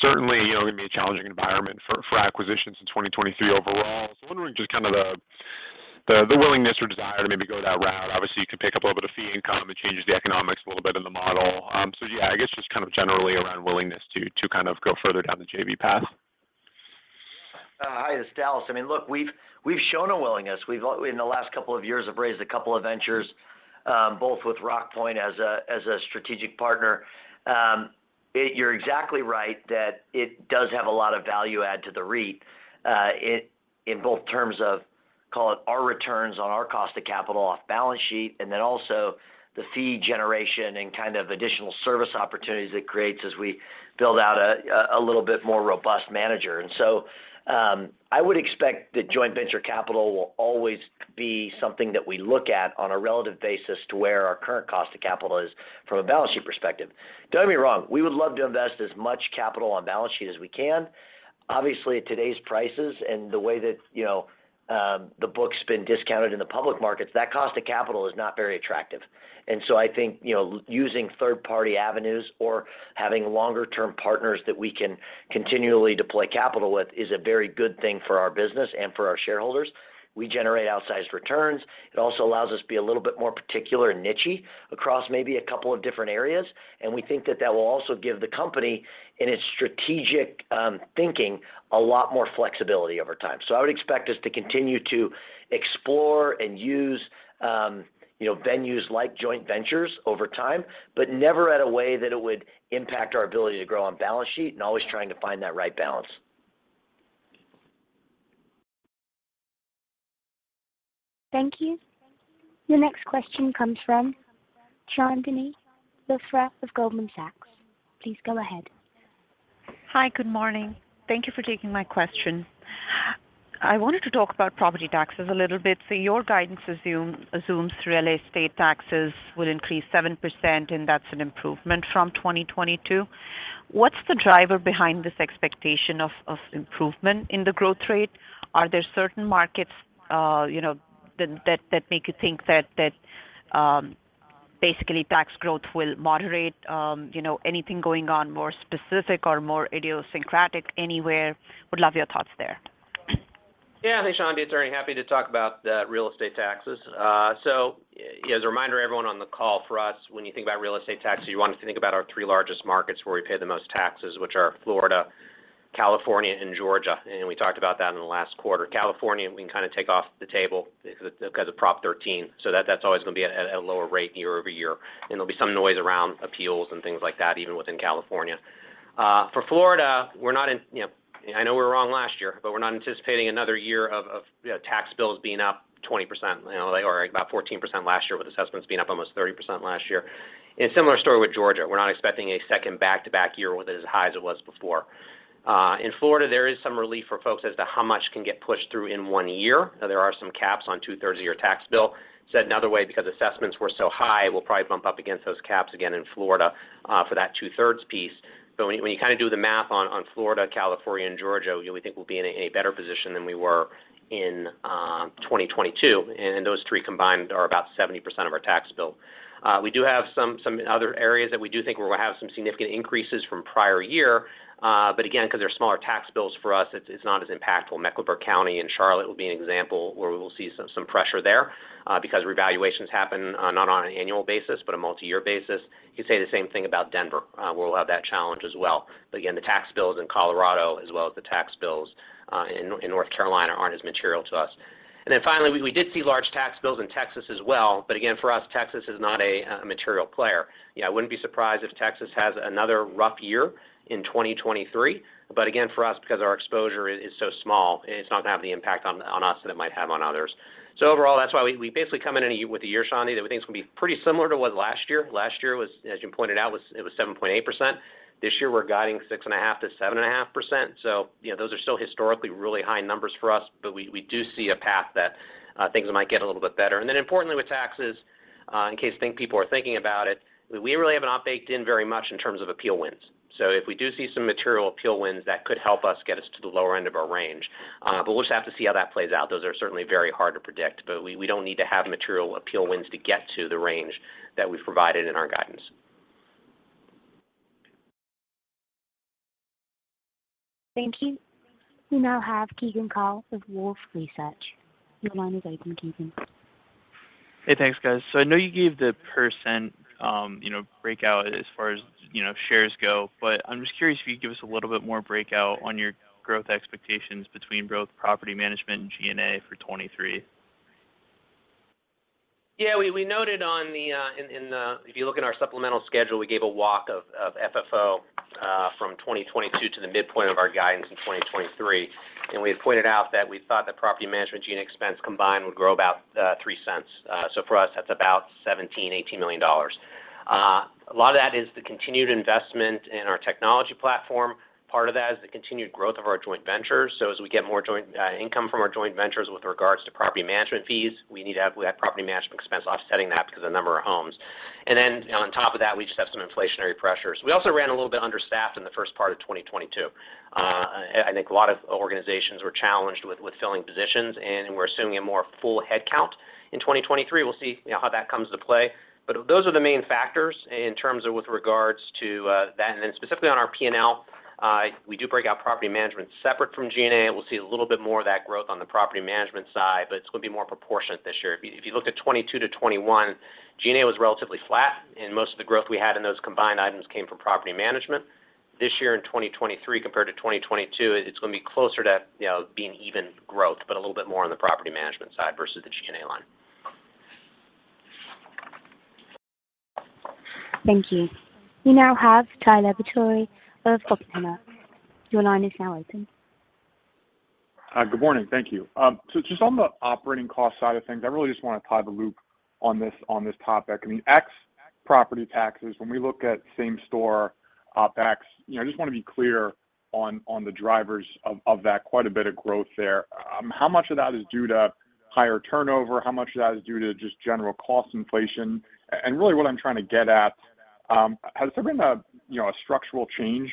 Certainly, you know, gonna be a challenging environment for acquisitions in 2023 overall. Wondering just kind of the willingness or desire to maybe go that route. Obviously, you could pick up a little bit of fee income. It changes the economics a little bit in the model. Yeah, I guess just kind of generally around willingness to kind of go further down the JV path. Hi, it's Dallas. I mean, look, we've shown a willingness. We've, in the last couple of years, have raised a couple of ventures, both with Rockpoint as a strategic partner. You're exactly right that it does have a lot of value add to the REIT, in both terms of, call it, our returns on our cost of capital off balance sheet, and then also the fee generation and kind of additional service opportunities it creates as we build out a little bit more robust manager. I would expect that joint venture capital will always be something that we look at on a relative basis to where our current cost of capital is from a balance sheet perspective. Don't get me wrong. We would love to invest as much capital on balance sheet as we can. Obviously, at today's prices and the way that, you know, the book's been discounted in the public markets, that cost of capital is not very attractive. I think, you know, using third party avenues or having longer term partners that we can continually deploy capital with is a very good thing for our business and for our shareholders. We generate outsized returns. It also allows us to be a little bit more particular and niche-y across maybe a couple of different areas, and we think that that will also give the company in its strategic thinking a lot more flexibility over time. I would expect us to continue to explore and use, you know, venues like joint ventures over time, but never at a way that it would impact our ability to grow on balance sheet and always trying to find that right balance. Thank you. Your next question comes from Chandni Luthra of Goldman Sachs. Please go ahead. Hi. Good morning. Thank you for taking my question. I wanted to talk about property taxes a little bit. Your guidance assumes real estate taxes will increase 7% and that's an improvement from 2022. What's the driver behind this expectation of improvement in the growth rate? Are there certain markets, you know, that make you think that basically tax growth will moderate? You know, anything going on more specific or more idiosyncratic anywhere? Would love your thoughts there. Yeah. Hey, Chandni. Very happy to talk about the real estate taxes. As a reminder to everyone on the call, for us, when you think about real estate taxes, you want us to think about our three largest markets where we pay the most taxes, which are Florida, California, and Georgia. We talked about that in the last quarter. California, we can kind of take off the table because of Proposition 13. That, that's always going to be at a, at a lower rate year-over-year. There'll be some noise around appeals and things like that, even within California. For Florida, we're not, You know, I know we're wrong last year, but we're not anticipating another year of tax bills being up 20%. You know, they are about 14% last year, with assessments being up almost 30% last year. Similar story with Georgia. We're not expecting a second back-to-back year with it as high as it was before. In Florida, there is some relief for folks as to how much can get pushed through in one year. There are some caps on two-thirds of your tax bill. Said another way, because assessments were so high, we'll probably bump up against those caps again in Florida, for that two-thirds piece. When you kind of do the math on Florida, California, and Georgia, we think we'll be in a better position than we were in 2022, and those three combined are about 70% of our tax bill. We do have some other areas that we do think where we'll have some significant increases from prior year. Again, because they're smaller tax bills for us, it's not as impactful. Mecklenburg County in Charlotte will be an example where we will see some pressure there, because revaluations happen not on an annual basis, but a multi-year basis. You say the same thing about Denver. We'll have that challenge as well. Again, the tax bills in Colorado as well as the tax bills in North Carolina aren't as material to us. Finally, we did see large tax bills in Texas as well. Again, for us, Texas is not a material player. You know, I wouldn't be surprised if Texas has another rough year in 2023, but again, for us, because our exposure is so small, it's not gonna have the impact on us that it might have on others. Overall, that's why we basically come in with the year, Chandni, that we think it's going to be pretty similar to what last year. Last year was, as you pointed out, it was 7.8%. This year we're guiding 6.5%-7.5%. Those are still historically really high numbers for us. We do see a path that things might get a little bit better. Importantly, with taxes, in case people are thinking about it, we really have not baked in very much in terms of appeal wins. If we do see some material appeal wins, that could help us get us to the lower end of our range, but we'll just have to see how that plays out. Those are certainly very hard to predict, but we don't need to have material appeal wins to get to the range that we've provided in our guidance. Thank you. We now have Keegan Carl of Wolfe Research. Your line is open, Keegan. Hey, thanks, guys. I know you gave the %, you know, breakout as far as, you know, shares go, but I'm just curious if you could give us a little bit more breakout on your growth expectations between both property management and G&A for 2023? We noted on the if you look in our supplemental schedule, we gave a walk of FFO from 2022 to the midpoint of our guidance in 2023. We had pointed out that we thought the property management G&A expense combined would grow about $0.03. For us, that's about $17 million-$18 million. A lot of that is the continued investment in our technology platform. Part of that is the continued growth of our joint ventures. As we get more joint income from our joint ventures with regards to property management fees, we have property management expense offsetting that because the number of homes. On top of that, we just have some inflationary pressures. We also ran a little bit understaffed in the first part of 2022. I think a lot of organizations were challenged with filling positions, and we're assuming a more full headcount in 2023. We'll see how that comes into play. Those are the main factors in terms of with regards to that. Then specifically on our P&L, we do break out property management separate from G&A. We'll see a little bit more of that growth on the property management side, but it's going to be more proportionate this year. If you look at '22 to '21, G&A was relatively flat, and most of the growth we had in those combined items came from property management. This year in 2023 compared to 2022, it's going to be closer to, you know, being even growth, but a little bit more on the property management side versus the G&A line. Thank you. We now have Tyler Batory of Oppenheimer. Your line is now open. Good morning. Thank you. Just on the operating cost side of things, I really just want to tie the loop on this topic. I mean ex property taxes, when we look at same store, OpEx, you know, I just want to be clear on the drivers of that quite a bit of growth there. How much of that is due to higher turnover? How much of that is due to just general cost inflation? Really what I'm trying to get at. Has there been a, you know, a structural change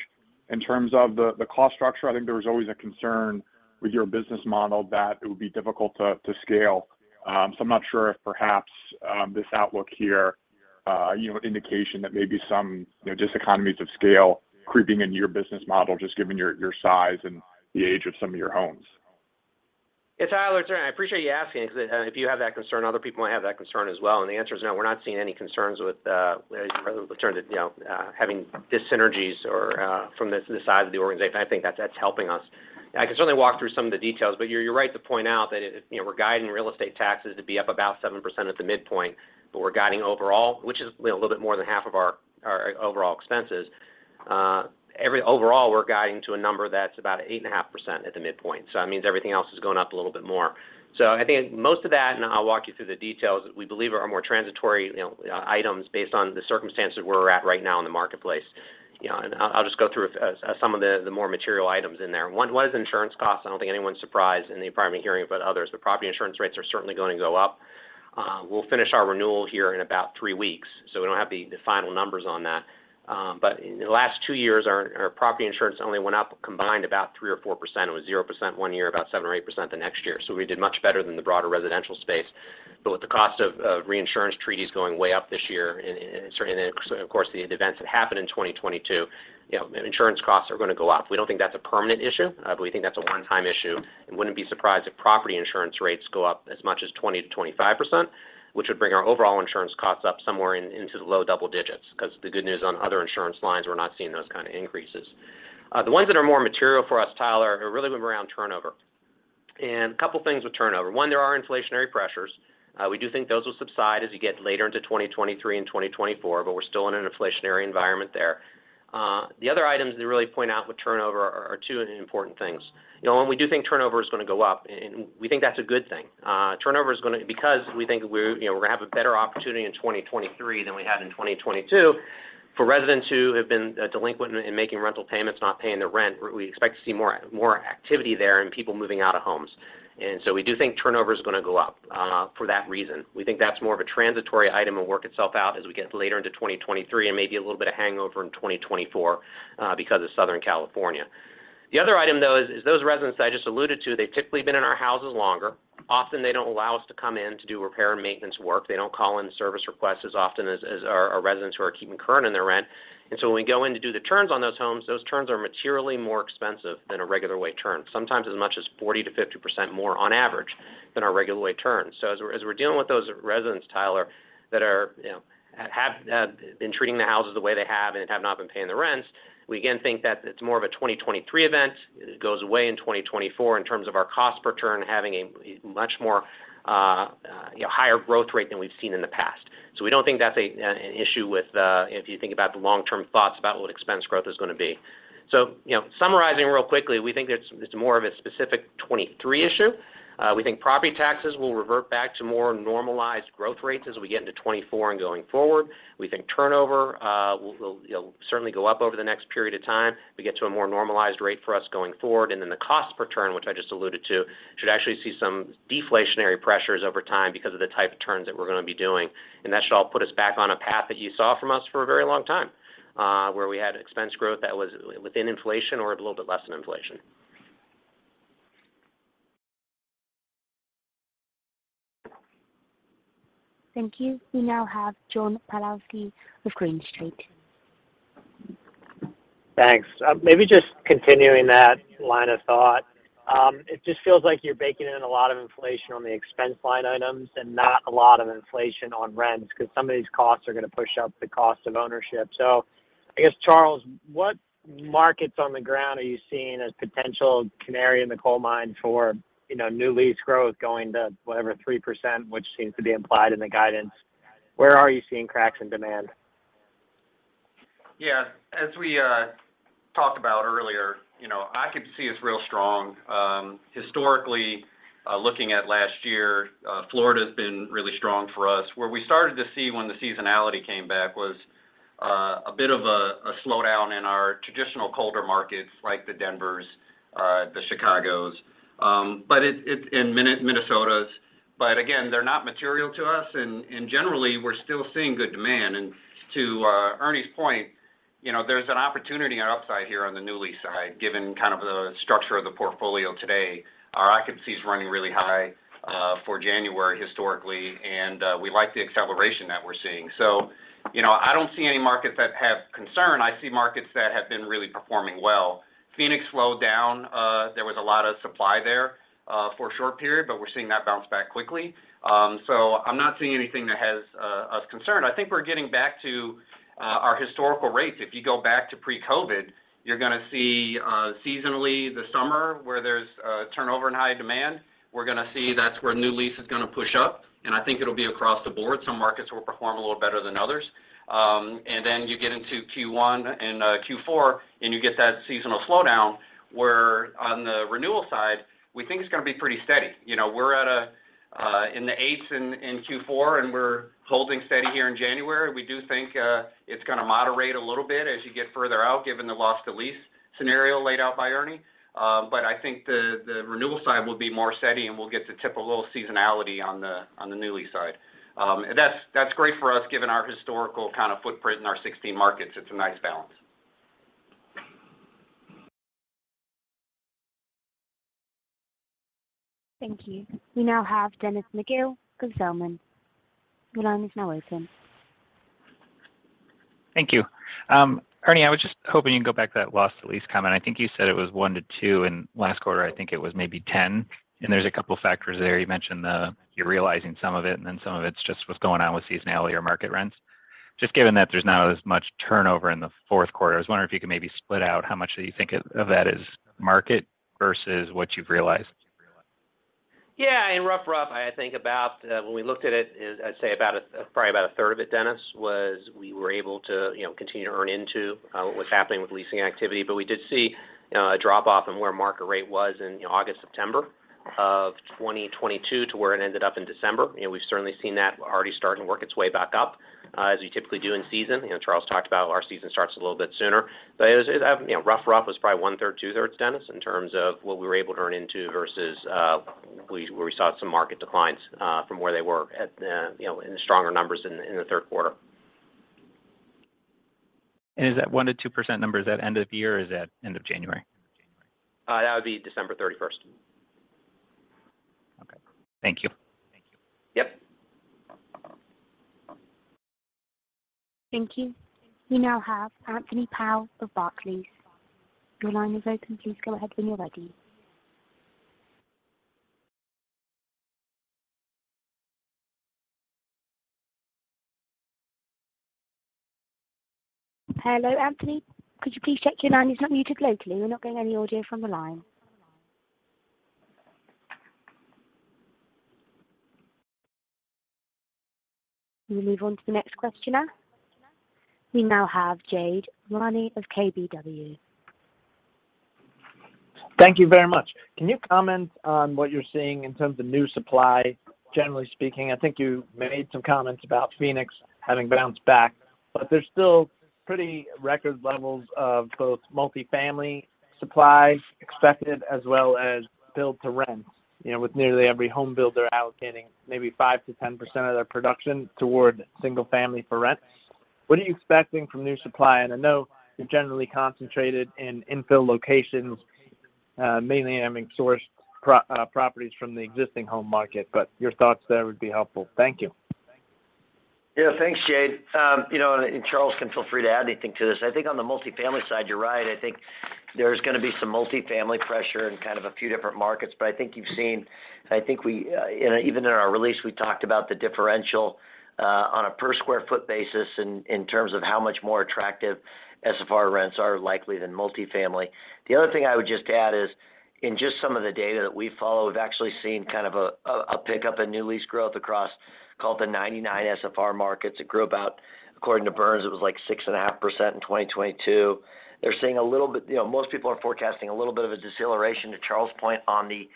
in terms of the cost structure? I think there was always a concern with your business model that it would be difficult to scale. I'm not sure if perhaps, this outlook here, you know, indication that maybe some, you know, just economies of scale creeping into your business model, just given your size and the age of some of your homes. Yeah. Tyler, I appreciate you asking, because if you have that concern, other people might have that concern as well. The answer is no, we're not seeing any concerns with the terms of, you know, having dis-synergies or from this, the size of the organization. I think that that's helping us. I can certainly walk through some of the details, but you're right to point out that, you know, we're guiding real estate taxes to be up about 7% at the midpoint. We're guiding overall, which is a little bit more than half of our overall expenses. Overall, we're guiding to a number that's about 8.5% at the midpoint, so that means everything else is going up a little bit more. I think most of that, and I'll walk you through the details, we believe are more transitory, you know, items based on the circumstances we're at right now in the marketplace. You know, I'll just go through as some of the more material items in there. One was insurance costs. I don't think anyone's surprised, and you probably been hearing it about others, but property insurance rates are certainly going to go up. We'll finish our renewal here in about three weeks, so we don't have the final numbers on that. But in the last two years, our property insurance only went up combined about 3% or 4%. It was 0% one year, about 7% or 8% the next year. We did much better than the broader residential space. With the cost of reinsurance treaties going way up this year, and certain, of course, the events that happened in 2022, you know, insurance costs are going to go up. We don't think that's a permanent issue. We think that's a one-time issue and wouldn't be surprised if property insurance rates go up as much as 20%-25%, which would bring our overall insurance costs up somewhere into the low double digits. 'Cause the good news on other insurance lines, we're not seeing those kind of increases. The ones that are more material for us, Tyler Batory, are really move around turnover. A couple of things with turnover. One, there are inflationary pressures. We do think those will subside as you get later into 2023 and 2024, but we're still in an inflationary environment there. The other items that really point out with turnover are two important things. You know, when we do think turnover is gonna go up, we think that's a good thing. Because we think we're, you know, we're gonna have a better opportunity in 2023 than we had in 2022. For residents who have been delinquent in making rental payments, not paying their rent, we expect to see more activity there and people moving out of homes. We do think turnover is gonna go up for that reason. We think that's more of a transitory item. It'll work itself out as we get later into 2023 and maybe a little bit of hangover in 2024 because of Southern California. The other item, though, is those residents I just alluded to, they've typically been in our houses longer. Often, they don't allow us to come in to do repair and maintenance work. They don't call in service requests as often as our residents who are keeping current in their rent. When we go in to do the turns on those homes, those turns are materially more expensive than a regular way turn, sometimes as much as 40%-50% more on average than our regular way turns. As we're dealing with those residents, Tyler, that are, you know, have been treating the houses the way they have and have not been paying the rents, we again think that it's more of a 2023 event. It goes away in 2024 in terms of our cost per turn, having a much more, you know, higher growth rate than we've seen in the past. We don't think that's an issue with, if you think about the long-term thoughts about what expense growth is gonna be. You know, summarizing real quickly, we think it's more of a specific 23 issue. We think property taxes will revert back to more normalized growth rates as we get into 24 and going forward. We think turnover will, you know, certainly go up over the next period of time. We get to a more normalized rate for us going forward. The cost per turn, which I just alluded to, should actually see some deflationary pressures over time because of the type of turns that we're gonna be doing. That should all put us back on a path that you saw from us for a very long time, where we had expense growth that was within inflation or a little bit less than inflation. Thank you. We now have John Pawlowski of Green Street. Thanks. Maybe just continuing that line of thought. It just feels like you're baking in a lot of inflation on the expense line items and not a lot of inflation on rents because some of these costs are gonna push up the cost of ownership. I guess, Charles, what markets on the ground are you seeing as potential canary in the coal mine for, you know, new lease growth going to whatever, 3%, which seems to be implied in the guidance? Where are you seeing cracks in demand? Yeah. As we talked about earlier, you know, occupancy is real strong. Historically, looking at last year, Florida's been really strong for us. Where we started to see when the seasonality came back was a bit of a slowdown in our traditional colder markets like the Denvers, the Chicagos, and Minnesota's. Again, they're not material to us. Generally, we're still seeing good demand. To Ernie's point, you know, there's an opportunity on upside here on the newly side, given kind of the structure of the portfolio today. Our occupancy is running really high for January historically, and we like the acceleration that we're seeing. You know, I don't see any markets that have concern. I see markets that have been really performing well. Phoenix slowed down. There was a lot of supply there for a short period, we're seeing that bounce back quickly. I'm not seeing anything that has us concerned. I think we're getting back to our historical rates. If you go back to pre-COVID, you're gonna see seasonally the summer where there's turnover and high demand. We're gonna see that's where new lease is gonna push up, and I think it'll be across the board. Some markets will perform a little better than others. Then you get into Q1 and Q4, and you get that seasonal slowdown, where on the renewal side, we think it's gonna be pretty steady. You know, we're at a in the eighths in Q4, and we're holding steady here in January. We do think, it's gonna moderate a little bit as you get further out, given the loss to lease. Scenario laid out by Ernie. I think the renewal side will be more steady, and we'll get to tip a little seasonality on the, on the newly side. That's, that's great for us given our historical kind of footprint in our 16 markets. It's a nice balance. Thank you. We now have Dennis McGill of Zelman. Your line is now open. Thank you. Ernie, I was just hoping you can go back to that loss at lease comment. I think you said it was 1% to 2% in last quarter. I think it was maybe 10%. There's a couple factors there. You mentioned, you're realizing some of it, and then some of it's just what's going on with seasonality or market rents. Just given that there's not as much turnover in the fourth quarter, I was wondering if you could maybe split out how much do you think of that is market versus what you've realized. In rough, I think about, when we looked at it is, I'd say probably about a third of it, Dennis McGill, was we were able to, you know, continue to earn into what was happening with leasing activity. We did see a drop off in where market rate was in, you know, August, September of 2022 to where it ended up in December. You know, we've certainly seen that already starting to work its way back up as you typically do in season. You know, Charles Young talked about our season starts a little bit sooner. It was, you know, rough was probably one third, two thirds, Dennis, in terms of what we were able to earn into versus, where we saw some market declines, from where they were at the, you know, in the stronger numbers in the third quarter. Is that 1%-2% numbers at end of year, or is that end of January? That would be December thirty-first. Okay. Thank you. Yep. Thank you. We now have Anthony Powell of Barclays. Your line is open. Please go ahead when you're ready. Hello, Anthony, could you please check your line is not muted locally? We're not getting any audio from the line. We move on to the next questioner. We now have Jade Rahmani of KBW. Thank you very much. Can you comment on what you're seeing in terms of new supply? Generally speaking, I think you made some comments about Phoenix having bounced back, but there's still pretty record levels of both multifamily supply expected as well as build to rent, you know, with nearly every home builder allocating maybe 5%-10% of their production toward single-family for rents. What are you expecting from new supply? I know you're generally concentrated in infill locations, mainly, I mean, sourced properties from the existing home market, but your thoughts there would be helpful. Thank you. Yeah. Thanks, Jade. You know, Charles can feel free to add anything to this. I think on the multifamily side, you're right. I think there's gonna be some multifamily pressure in kind of a few different markets. I think you've seen, you know, even in our release, we talked about the differential on a per square foot basis in terms of how much more attractive SFR rents are likely than multifamily. The other thing I would just add is in just some of the data that we follow, we've actually seen kind of a pickup in new lease growth across called the 99 SFR markets. It grew about, according to Burns, it was like 6.5% in 2022. They're seeing a little bit. Yeah, most people are forecasting a little bit of a deceleration to Charles' point on the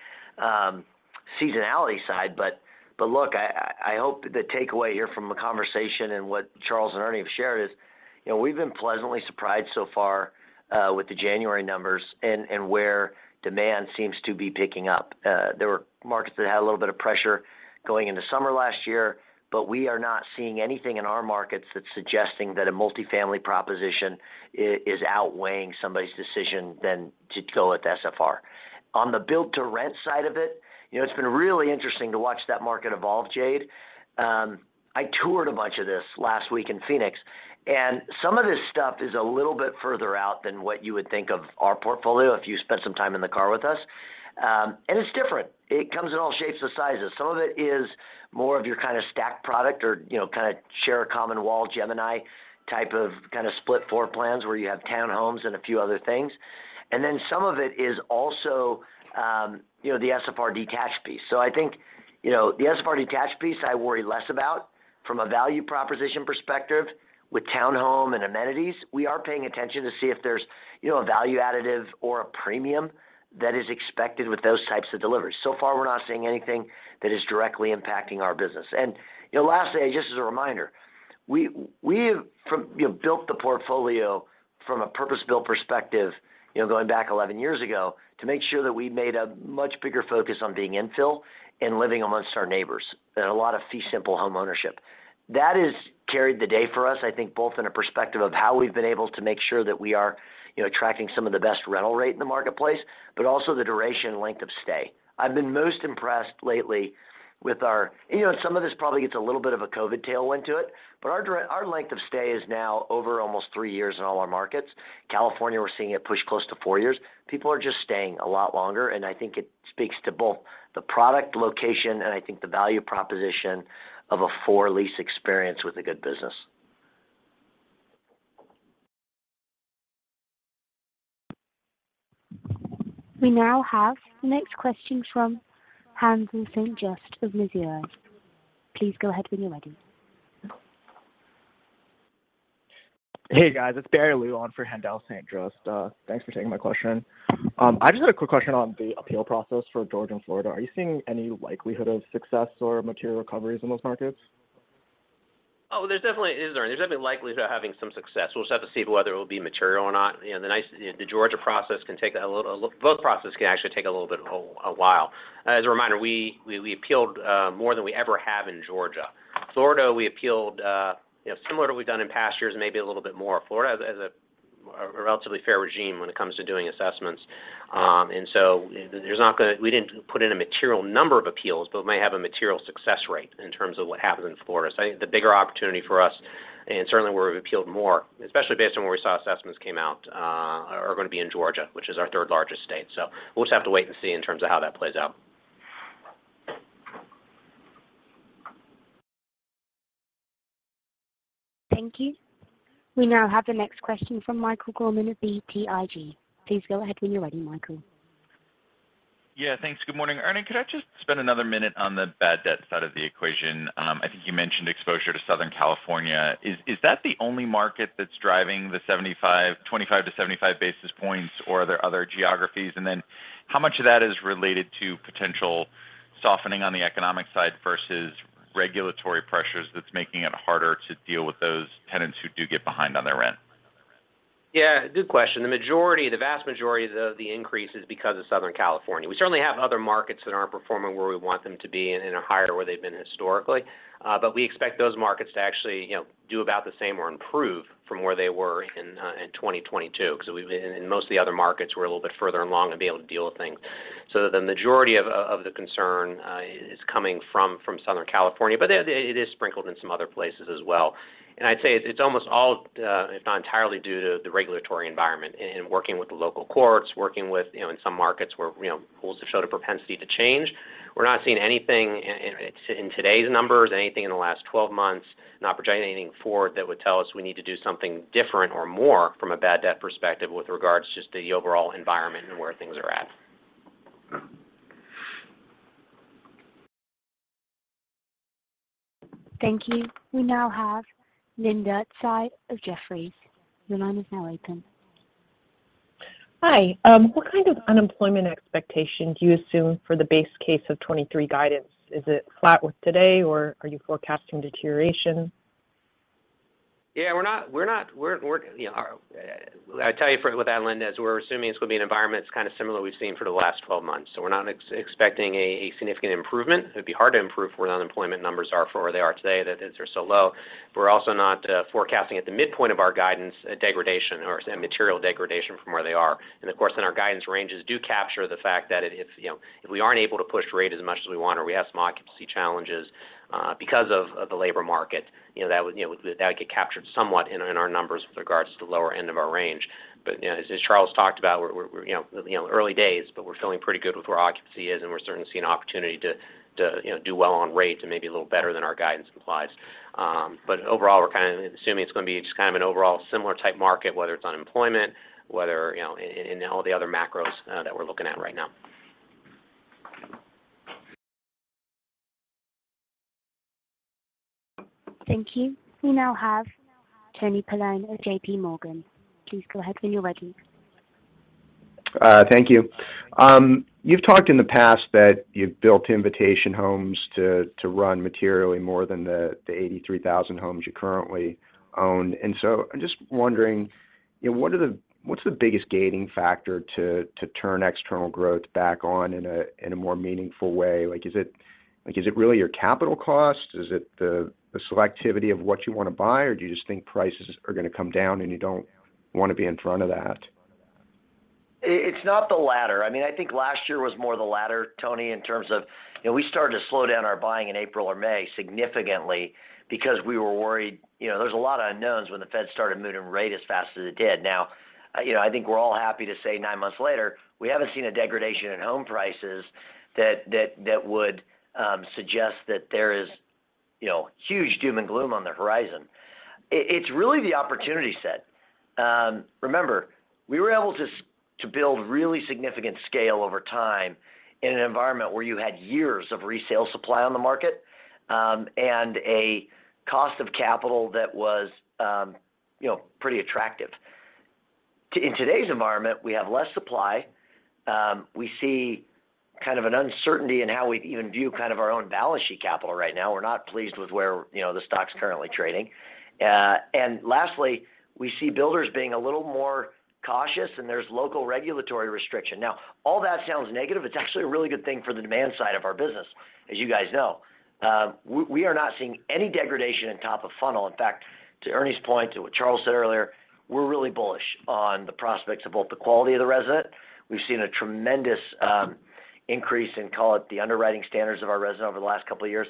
seasonality side. Look, I hope the takeaway here from the conversation and what Charles and Ernie have shared is, you know, we've been pleasantly surprised so far with the January numbers and where demand seems to be picking up. There were markets that had a little bit of pressure going into summer last year, but we are not seeing anything in our markets that's suggesting that a multifamily proposition is outweighing somebody's decision than to go with SFR. On the build to rent side of it, you know, it's been really interesting to watch that market evolve, Jade. I toured a bunch of this last week in Phoenix, and some of this stuff is a little bit further out than what you would think of our portfolio if you spent some time in the car with us. It's different. It comes in all shapes and sizes. Some of it is more of your kind of stacked product or, you know, kind of share a common wall Gemini type of kind of split floor plans where you have townhomes and a few other things. Then some of it is also, you know, the SFR detached piece. I think, you know, the SFR detached piece I worry less about from a value proposition perspective with townhome and amenities. We are paying attention to see if there's, you know, a value additive or a premium that is expected with those types of deliveries. Far, we're not seeing anything that is directly impacting our business. Lastly, just as a reminder, we've built the portfolio from a purpose-built perspective, you know, going back 11 years ago to make sure that we made a much bigger focus on being infill and living amongst our neighbors and a lot of fee simple homeownership. That has carried the day for us, I think both in a perspective of how we've been able to make sure that we are, you know, attracting some of the best rental rate in the marketplace, but also the duration length of stay. I've been most impressed lately with our. You know, some of this probably gets a little bit of a COVID tailwind to it, but our length of stay is now over almost 3 years in all our markets. California, we're seeing it push close to four years. People are just staying a lot longer, and I think it speaks to both the product location and I think the value proposition of a for lease experience with a good business. We now have the next question from Haendel St. Juste of Mizuho. Please go ahead when you're ready. Hey, guys. It's Barry Lu on for Haendel St. Juste. Thanks for taking my question. I just had a quick question on the appeal process for Georgia and Florida. Are you seeing any likelihood of success or material recoveries in those markets? Oh, there's definitely is, Ernie. There's definitely likelihood of having some success. We'll just have to see whether it will be material or not. You know, the Georgia vote process can actually take a little bit of a while. As a reminder, we appealed more than we ever have in Georgia. Florida, we appealed, you know, similar to what we've done in past years and maybe a little bit more. Florida has a relatively fair regime when it comes to doing assessments. We didn't put in a material number of appeals, but may have a material success rate in terms of what happens in Florida. I think the bigger opportunity for us, and certainly where we've appealed more, especially based on where we saw assessments came out, are gonna be in Georgia, which is our third-largest state. We'll just have to wait and see in terms of how that plays out. Thank you. We now have the next question from Michael Gorman of BTIG. Please go ahead when you're ready, Michael. Yeah, thanks. Good morning. Ernie, could I just spend another minute on the bad debt side of the equation? I think you mentioned exposure to Southern California. Is that the only market that's driving the 25 to 75 basis points, or are there other geographies? How much of that is related to potential softening on the economic side versus regulatory pressures that's making it harder to deal with those tenants who do get behind on their rent? Yeah, good question. The majority, the vast majority of the increase is because of Southern California. We certainly have other markets that aren't performing where we want them to be and are higher where they've been historically. We expect those markets to actually, you know, do about the same or improve from where they were in 2022 'cause in most of the other markets, we're a little bit further along and be able to deal with things. The majority of the concern is coming from Southern California, but it is sprinkled in some other places as well. I'd say it's almost all, if not entirely due to the regulatory environment in working with the local courts, working with, you know, in some markets where, you know, pools have showed a propensity to change. We're not seeing anything in today's numbers, anything in the last 12 months, not projecting anything forward that would tell us we need to do something different or more from a bad debt perspective with regards to just the overall environment and where things are at. Thank you. We now have Linda Tsai of Jefferies. Your line is now open. Hi. What kind of unemployment expectation do you assume for the base case of 2023 guidance? Is it flat with today, or are you forecasting deterioration? Yeah. You know, I'll tell you with that, Linda, is we're assuming it's gonna be an environment that's kind of similar to what we've seen for the last 12 months. We're not expecting a significant improvement. It'd be hard to improve where the unemployment numbers are for where they are today, that they're so low. We're also not forecasting at the midpoint of our guidance a degradation or a material degradation from where they are. Of course, then our guidance ranges do capture the fact that if, you know, if we aren't able to push rate as much as we want or we have some occupancy challenges because of the labor market, you know, that would, you know, that would get captured somewhat in our numbers with regards to the lower end of our range. You know, as Charles talked about, we're, you know, early days, but we're feeling pretty good with where occupancy is, and we're certainly seeing opportunity to, you know, do well on rates and maybe a little better than our guidance implies. Overall, we're kind of assuming it's gonna be just kind of an overall similar type market, whether it's unemployment, whether, you know, in all the other macros that we're looking at right now. Thank you. We now have Anthony Paolone of JPMorgan. Please go ahead when you're ready. Thank you. You've talked in the past that you've built Invitation Homes to run materially more than the 83,000 homes you currently own. I'm just wondering, you know, what's the biggest gating factor to turn external growth back on in a more meaningful way? Like, is it really your capital cost? Is it the selectivity of what you wanna buy? Or do you just think prices are gonna come down, and you don't wanna be in front of that? It's not the latter. I mean, I think last year was more the latter, Tony, in terms of, you know, we started to slow down our buying in April or May significantly because we were worried. You know, there was a lot of unknowns when the Fed started moving rate as fast as it did. Now, you know, I think we're all happy to say nine months later, we haven't seen a degradation in home prices that would suggest that there is, you know, huge doom and gloom on the horizon. It's really the opportunity set. Remember, we were able to build really significant scale over time in an environment where you had years of resale supply on the market, and a cost of capital that was, you know, pretty attractive. In today's environment, we have less supply. We see an uncertainty in how we even view our own balance sheet capital right now. We're not pleased with where, you know, the stock's currently trading. Lastly, we see builders being a little more cautious, and there's local regulatory restriction. All that sounds negative. It's actually a really good thing for the demand side of our business, as you guys know. We are not seeing any degradation in top of funnel. In fact, to Ernie's point, to what Charles said earlier, we're really bullish on the prospects of both the quality of the resident. We've seen a tremendous increase in, call it, the underwriting standards of our resident over the last couple of years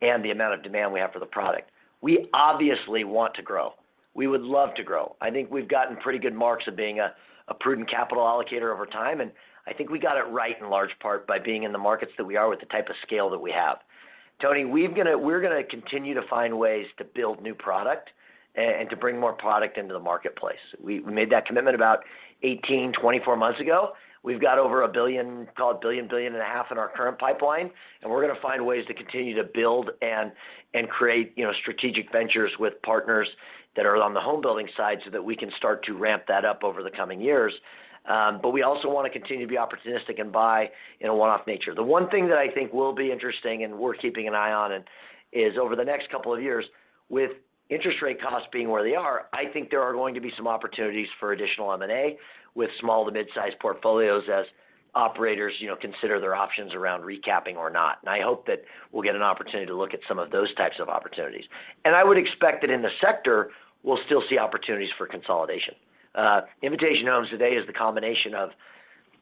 and the amount of demand we have for the product. We obviously want to grow. We would love to grow. I think we've gotten pretty good marks of being a prudent capital allocator over time, and I think we got it right in large part by being in the markets that we are with the type of scale that we have. Tony, we're gonna continue to find ways to build new product and to bring more product into the marketplace. We made that commitment about 18-24 months ago. We've got over $1 billion, call it $1.5 billion in our current pipeline, and we're gonna find ways to continue to build and create, you know, strategic ventures with partners that are on the home building side so that we can start to ramp that up over the coming years. We also wanna continue to be opportunistic and buy in a one-off nature. The one thing that I think will be interesting and we're keeping an eye on it, is over the next 2 years, with interest rate costs being where they are, I think there are going to be some opportunities for additional M&A with small-to-mid-size portfolios as operators, you know, consider their options around recapping or not. I hope that we'll get an opportunity to look at some of those types of opportunities. I would expect that in the sector, we'll still see opportunities for consolidation. Invitation Homes today is the combination of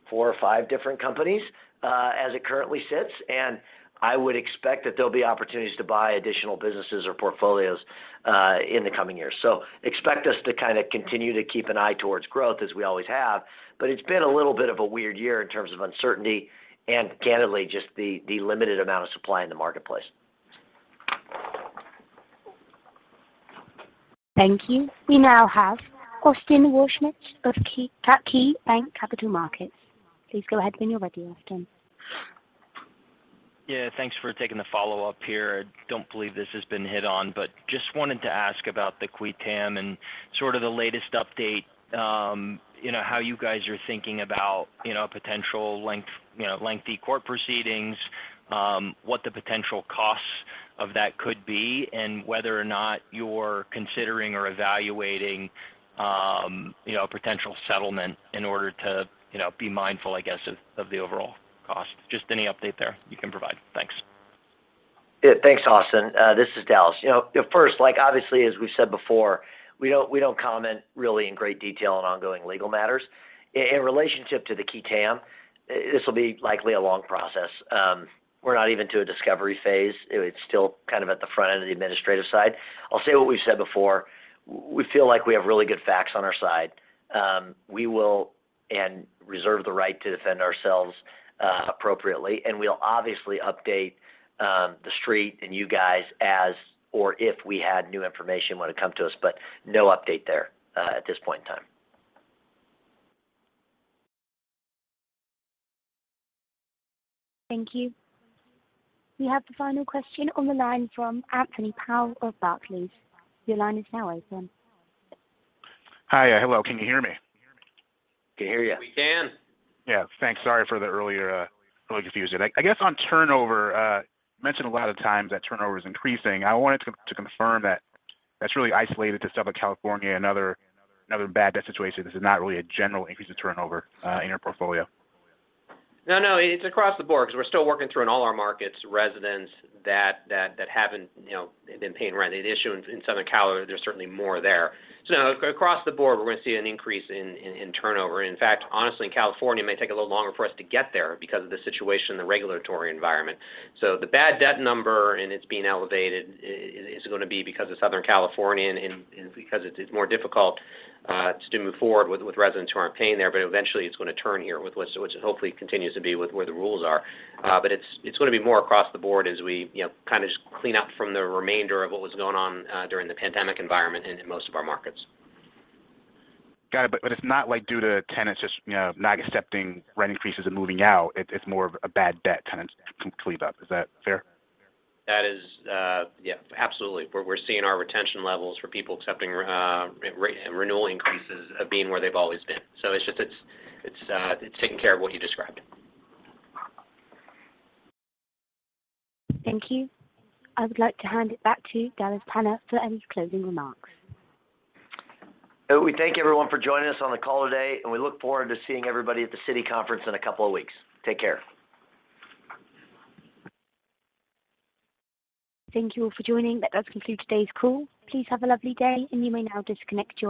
4 or 5 different companies as it currently sits. I would expect that there'll be opportunities to buy additional businesses or portfolios in the coming years. Expect us to kinda continue to keep an eye towards growth as we always have, but it's been a little bit of a weird year in terms of uncertainty, and candidly, just the limited amount of supply in the marketplace. Thank you. We now have Austin Wurschmidt of KeyBanc Capital Markets. Please go ahead when you're ready, Austin. Thanks for taking the follow-up here. I don't believe this has been hit on, but just wanted to ask about the Qui Tam and sort of the latest update, how you guys are thinking about, you know, potential length, you know, lengthy court proceedings, what the potential costs of that could be and whether or not you're considering or evaluating, you know, a potential settlement in order to, you know, be mindful, I guess, of the overall cost. Just any update there you can provide. Thanks. Thanks, Austin. This is Dallas. You know, first, like, obviously, as we've said before, we don't, we don't comment really in great detail on ongoing legal matters. In relationship to the qui tam, this will be likely a long process. We're not even to a discovery phase. It's still kind of at the front end of the administrative side. I'll say what we've said before. We feel like we have really good facts on our side. We will and reserve the right to defend ourselves appropriately, and we'll obviously update the Street and you guys as or if we had new information when it come to us, but no update there at this point in time. Thank you. We have the final question on the line from Anthony Powell of Barclays. Your line is now open. Hi. Hello. Can you hear me? Can hear you. We can. Yeah, thanks. Sorry for the earlier, little confusion. I guess on turnover, mentioned a lot of times that turnover is increasing. I wanted to confirm that that's really isolated to Southern California, another bad debt situation. This is not really a general increase of turnover in your portfolio. It's across the board because we're still working through in all our markets, residents that haven't, you know, been paying rent. The issue in Southern Cali, there's certainly more there. Across the board, we're gonna see an increase in turnover. In fact, honestly, in California, it may take a little longer for us to get there because of the situation in the regulatory environment. The bad debt number, and it's being elevated is gonna be because of Southern California and because it's more difficult to move forward with residents who aren't paying there. Eventually it's gonna turn here with list, which hopefully continues to be with where the rules are. It's, it's gonna be more across the board as we, you know, kind of just clean up from the remainder of what was going on during the pandemic environment in most of our markets. Got it. It's not like due to tenants just, you know, not accepting rent increases and moving out. It's more of a bad debt tenants can clean up. Is that fair? That is. Yeah, absolutely. We're seeing our retention levels for people accepting, re-renewal increases, being where they've always been. It's just, it's taking care of what you described. Thank you. I would like to hand it back to Dallas Tanner for any closing remarks. We thank everyone for joining us on the call today, and we look forward to seeing everybody at the Citi conference in a couple of weeks. Take care. Thank you all for joining. That does conclude today's call. Please have a lovely day. You may now disconnect your lines.